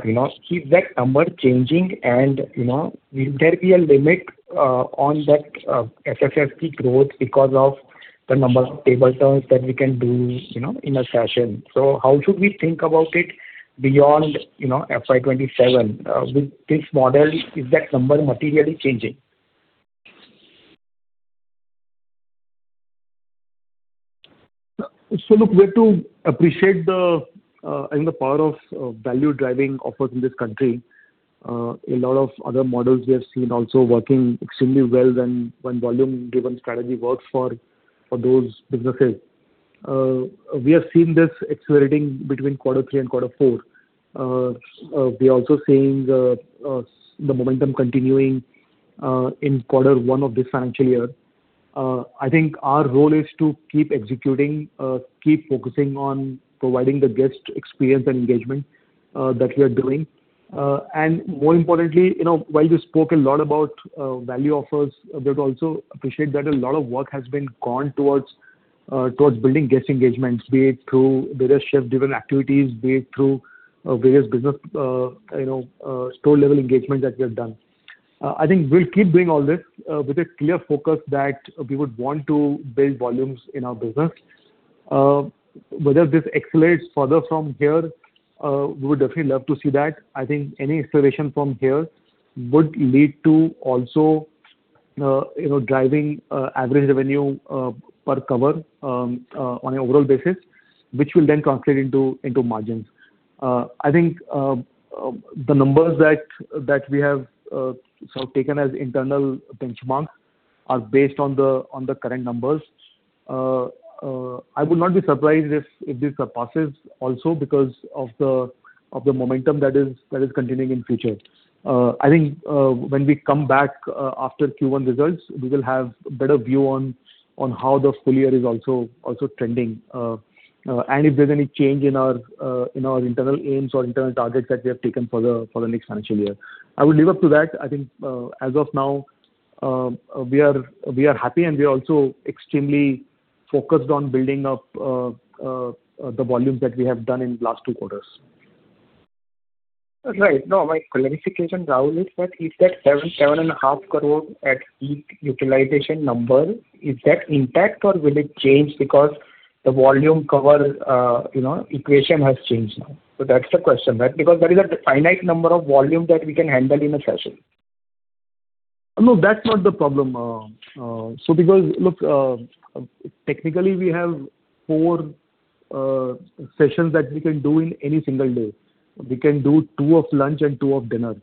you know, is that number changing and, you know, will there be a limit on that [FSSK] growth because of the number of table turns that we can do, you know, in a session? How should we think about it beyond, you know, FY 2027? With this model, is that number materially changing? We have to appreciate the power of value-driving offers in this country. A lot of other models we have seen also working extremely well when volume-driven strategy works for those businesses. We have seen this accelerating between quarter 3 and quarter 4. We are also seeing the momentum continuing in quarter 1 of this financial year. I think our role is to keep executing, keep focusing on providing the guest experience and engagement that we are doing. More importantly, you know, while you spoke a lot about value offers, we'd also appreciate that a lot of work has been gone towards towards building guest engagement, be it through various chef-driven activities, be it through various business, you know, store-level engagement that we have done. I think we'll keep doing all this with a clear focus that we would want to build volumes in our business. Whether this accelerates further from here, we would definitely love to see that. I think any acceleration from here would lead to also, you know, driving average revenue per cover on a overall basis, which will then translate into into margins. I think the numbers that we have sort of taken as internal benchmarks are based on the current numbers. I would not be surprised if this surpasses also because of the momentum that is continuing in future. I think when we come back after Q1 results, we will have a better view on how the full year is also trending. If there's any change in our internal aims or internal targets that we have taken for the next financial year. I would leave up to that. I think as of now, we are happy, and we are also extremely focused on building up the volumes that we have done in last two quarters. Right. No, my clarification, Rahul, is that 7 and a half crore at seat utilization number, is that intact or will it change because the volume cover, you know, equation has changed now? That's the question. Right? There is a finite number of volume that we can handle in a session. No, that's not the problem. Technically, we have four sessions that we can do in any single day. We can do two of lunch and two of dinner.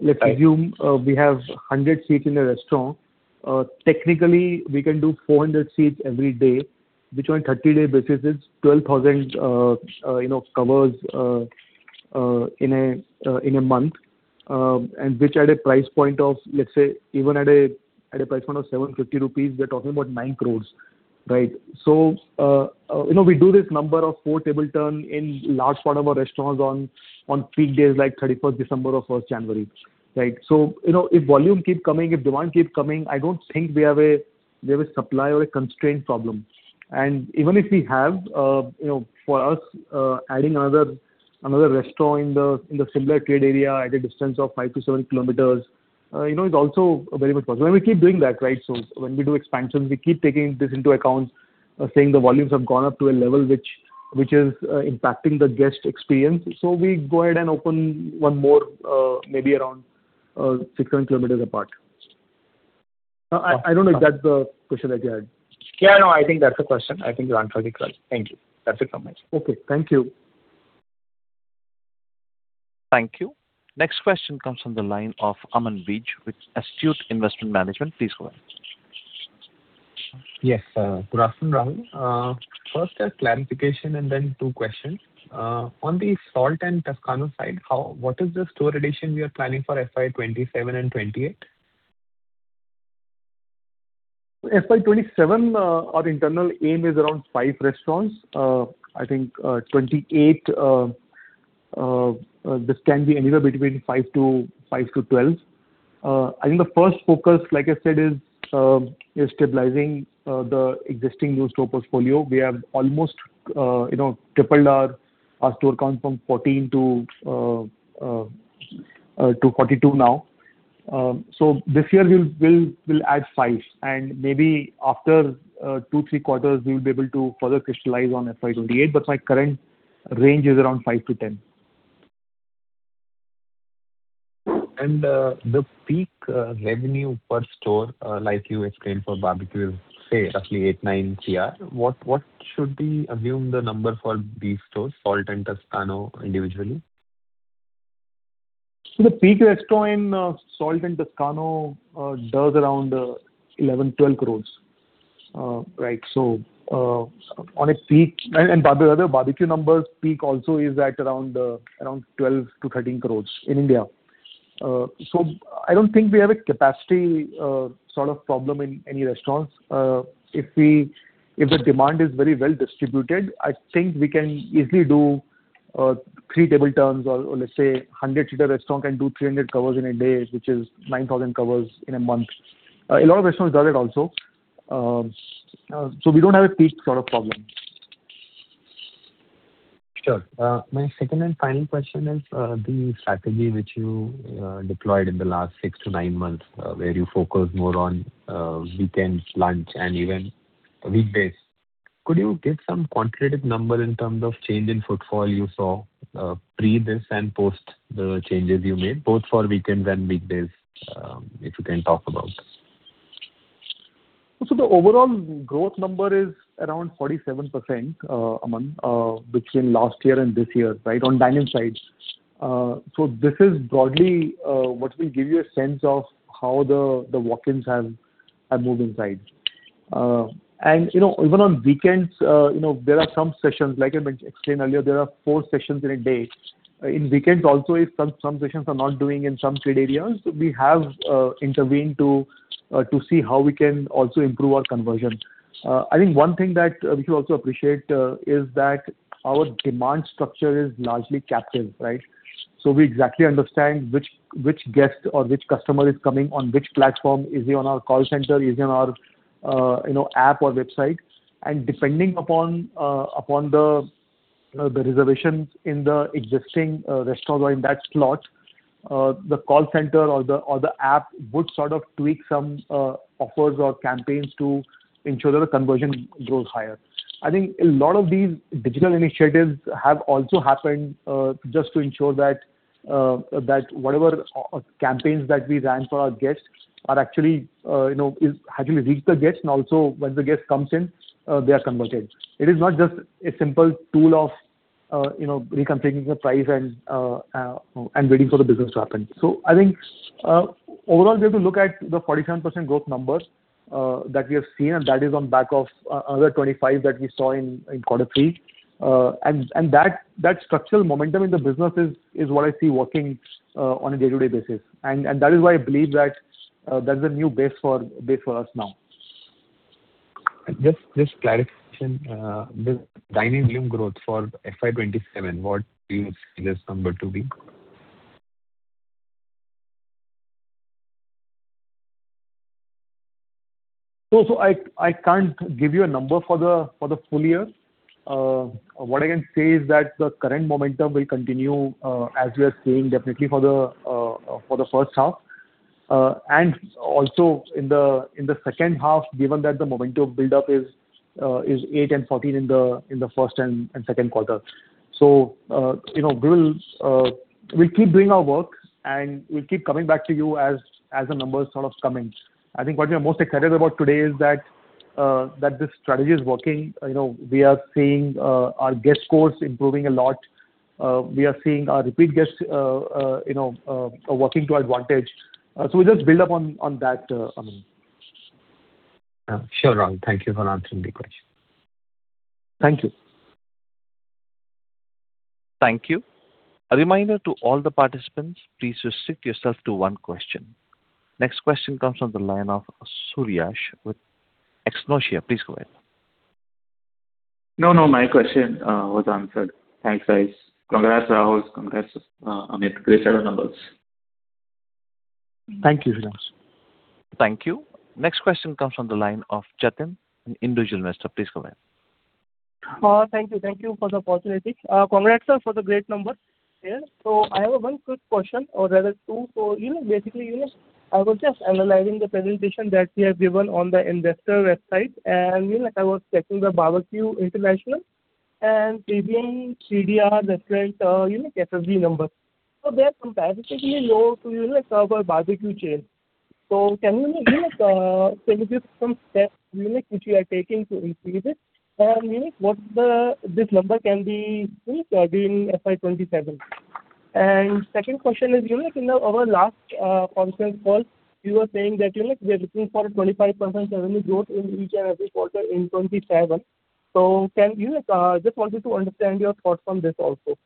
Let's assume we have 100 seats in a restaurant. Technically, we can do 400 seats every day, which on 30 day basis is 12,000 covers in a month, and which at a price point of even 750 rupees, we're talking about 9 crores, right? We do this number of four table turn in large part of our restaurants on peak days like 31st December or 1st January, right? You know, if volume keep coming, if demand keep coming, I don't think we have a supply or a constraint problem. Even if we have, you know, for us, adding another restaurant in the similar trade area at a distance of 5-7 km, you know, is also very much possible. We keep doing that, right? When we do expansions, we keep taking this into account, saying the volumes have gone up to a level which is impacting the guest experience. We go ahead and open one more, maybe around 6-7 km apart. I don't know if that's the question that you had. Yeah, no, I think that's the question. I think you answered it well. Thank you. That's it from my side. Okay. Thank you. Thank you. Next question comes from the line of Aman Vij with Astute Investment Management. Please go ahead. Yes, good afternoon, Rahul. First a clarification and then two questions. On the SALT and Toscano side, what is the store addition we are planning for FY 2027 and 2028? FY 2027, our internal aim is around five restaurants. I think 2028, this can be anywhere between five to 12. I think the first focus, like I said, is stabilizing the existing new store portfolio. We have almost, you know, tripled our store count from 14 to 42 now. So this year we'll add 5, and maybe after 2, 3 quarters, we'll be able to further crystallize on FY 2028. My current range is around 5-10. The peak revenue per store, like you explained for Barbeque, say roughly 8 crore-9 crore. What should we assume the number for these stores, Salt and Toscano individually? The peak restaurant in Salt and Toscano does around 11 crore, 12 crore. Right. On a peak the other Barbeque numbers peak also is at around 12-13 crore in India. I don't think we have a capacity sort of problem in any restaurants. If the demand is very well distributed, I think we can easily do three table turns or let's say 100-seater restaurant can do 300 covers in a day, which is 9,000 covers in a month. A lot of restaurants does it also. We don't have a peak sort of problem. Sure. My second and final question is, the strategy which you deployed in the last six to nine months, where you focus more on weekends, lunch, and even weekdays. Could you give some quantitative number in terms of change in footfall you saw, pre this and post the changes you made, both for weekends and weekdays, if you can talk about? The overall growth number is around 47%, Aman, between last year and this year, right, on dine-in side. This is broadly what will give you a sense of how the walk-ins have moved inside. You know, even on weekends, you know, there are some sessions, like I explained earlier, there are four sessions in a day. In weekends also, if some sessions are not doing in some trade areas, we have intervened to see how we can also improve our conversion. I think one thing that we should also appreciate is that our demand structure is largely captive, right. We exactly understand which guest or which customer is coming on which platform. Is he on our call center? Is he on our, you know, app or website? Depending upon the reservations in the existing, restaurant or in that slot, the call center or the, or the app would sort of tweak some offers or campaigns to ensure that the conversion grows higher. I think a lot of these digital initiatives have also happened, just to ensure that whatever campaigns that we ran for our guests are actually, you know, is actually reach the guests and also when the guest comes in, they are converted. It is not just a simple tool of, you know, reconfiguring the price and waiting for the business to happen. I think, overall we have to look at the 47% growth numbers that we have seen, and that is on back of another 25 that we saw in Q3. That structural momentum in the business is what I see working on a day-to-day basis. That is why I believe that's a new base for us now. Just clarification. The dine-in volume growth for FY 2027, what do you see this number to be? I can't give you a number for the full year. What I can say is that the current momentum will continue as we are seeing definitely for the first half. And also in the second half, given that the momentum build up is 8 and 14 in the first and second quarter. You know, we'll keep doing our work, and we'll keep coming back to you as the numbers sort of come in. I think what we are most excited about today is that this strategy is working. You know, we are seeing our guest scores improving a lot. We are seeing our repeat guests, you know, working to our advantage. We just build up on that, Aman. Sure, Rahul. Thank you for answering the question. Thank you. Thank you. A reminder to all the participants, please restrict yourself to one question. Next question comes from the line of [Suryansh with Xponentia]. Please go ahead. No, no, my question, was answered. Thanks, guys. Congrats, Rahul. Congrats, Amit. Great set of numbers. Thank you, Suryansh. Thank you. Next question comes from the line of Jatin, an individual investor. Please go ahead. Thank you. Thank you for the opportunity. Congrats, sir, for the great numbers here. I have 1 quick question or rather two for you. Basically, you know, I was just analyzing the presentation that we have given on the investor website and, you know, like, I was checking the International and Premium CDR restaurant, you know, SSG number. They are comparatively low to, you know, like our Barbeque chain. Can you know, tell me some steps, you know, which you are taking to increase it? You know, what this number can be, you know, during FY 2027. 2nd question is, you know, in our last conference call, you were saying that, you know, we are looking for a 25% revenue growth in each and every quarter in 2027. Can you, like, Just wanted to understand your thoughts on this also.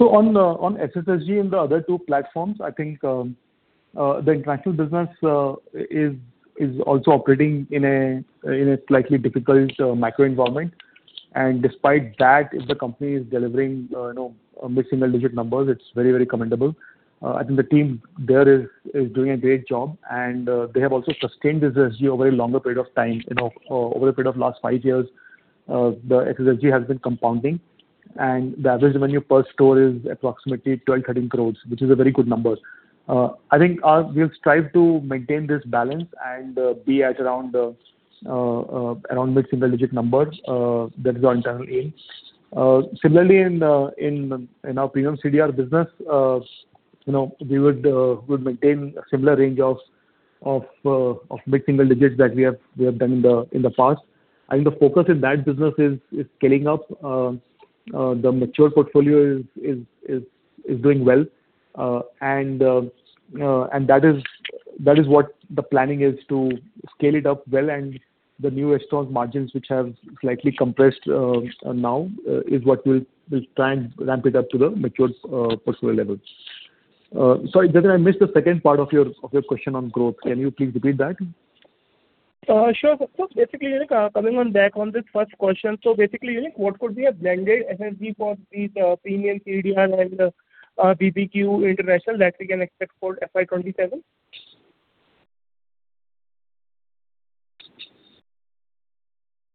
On SSG and the other two platforms, I think the international business is also operating in a slightly difficult macro environment. Despite that, if the company is delivering, you know, mid-single digit numbers, it's very commendable. I think the team there is doing a great job, and they have also sustained this SSG over a longer period of time. You know, over a period of last five years, the SSG has been compounding, and the average revenue per store is approximately 12 crore-13 crore, which is a very good number. I think we'll strive to maintain this balance and be at around mid-single digit numbers. That is our internal aim. Similarly in our Premium CDR business, we would maintain a similar range of mid-single digits that we have done in the past. I think the focus in that business is scaling up. The mature portfolio is doing well. That is what the planning is to scale it up well and the new restaurant margins which have slightly compressed now is what we'll try and ramp it up to the mature portfolio levels. Sorry, Jatin, I missed the second part of your question on growth. Can you please repeat that? Sure. Basically, like, coming on back on this first question. Basically, you know, what could be a blended SSG for these Premium CDR and BBQ International that we can expect for FY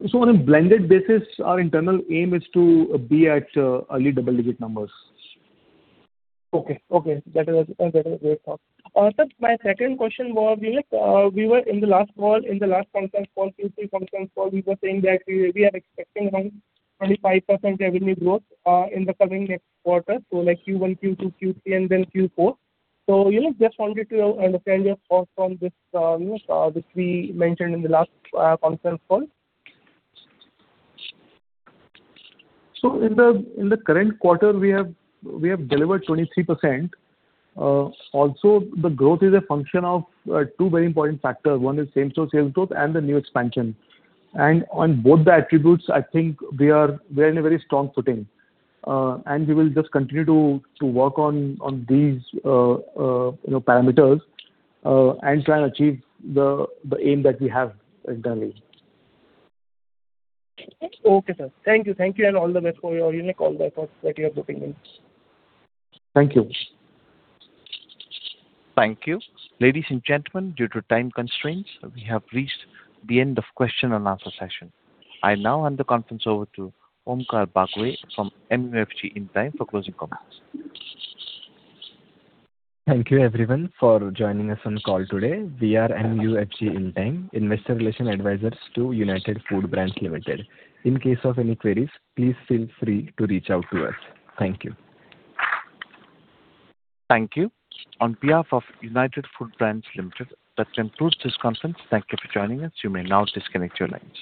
2027? On a blended basis, our internal aim is to be at early double-digit numbers. Okay. Okay. That is, that is a great thought. Sir, my second question was, you know, we were in the last call, in the last conference call, Q3 conference call, we are expecting 125% revenue growth in the coming next quarter. Like Q1, Q2, Q3, and then Q4. You know, just wanted to understand your thoughts on this, you know, which we mentioned in the last conference call. In the current quarter, we have delivered 23%. Also the growth is a function of two very important factors. One is Same Store Sales Growth and the new expansion. On both the attributes, I think we are in a very strong footing. We will just continue to work on these, you know, parameters, and try and achieve the aim that we have internally. Okay, sir. Thank you. Thank you and all the best for your, you know, all the efforts that you are putting in. Thank you. Thank you. Ladies and gentlemen, due to time constraints, we have reached the end of question and answer session. I now hand the conference over to Omkar Bagwe from MUFG Intime for closing comments. Thank you everyone for joining us on call today. We are MUFG Intime, investor relation advisors to United Foodbrands Limited. In case of any queries, please feel free to reach out to us. Thank you. Thank you. On behalf of United Foodbrands Limited, that concludes this conference. Thank you for joining us. You may now disconnect your lines.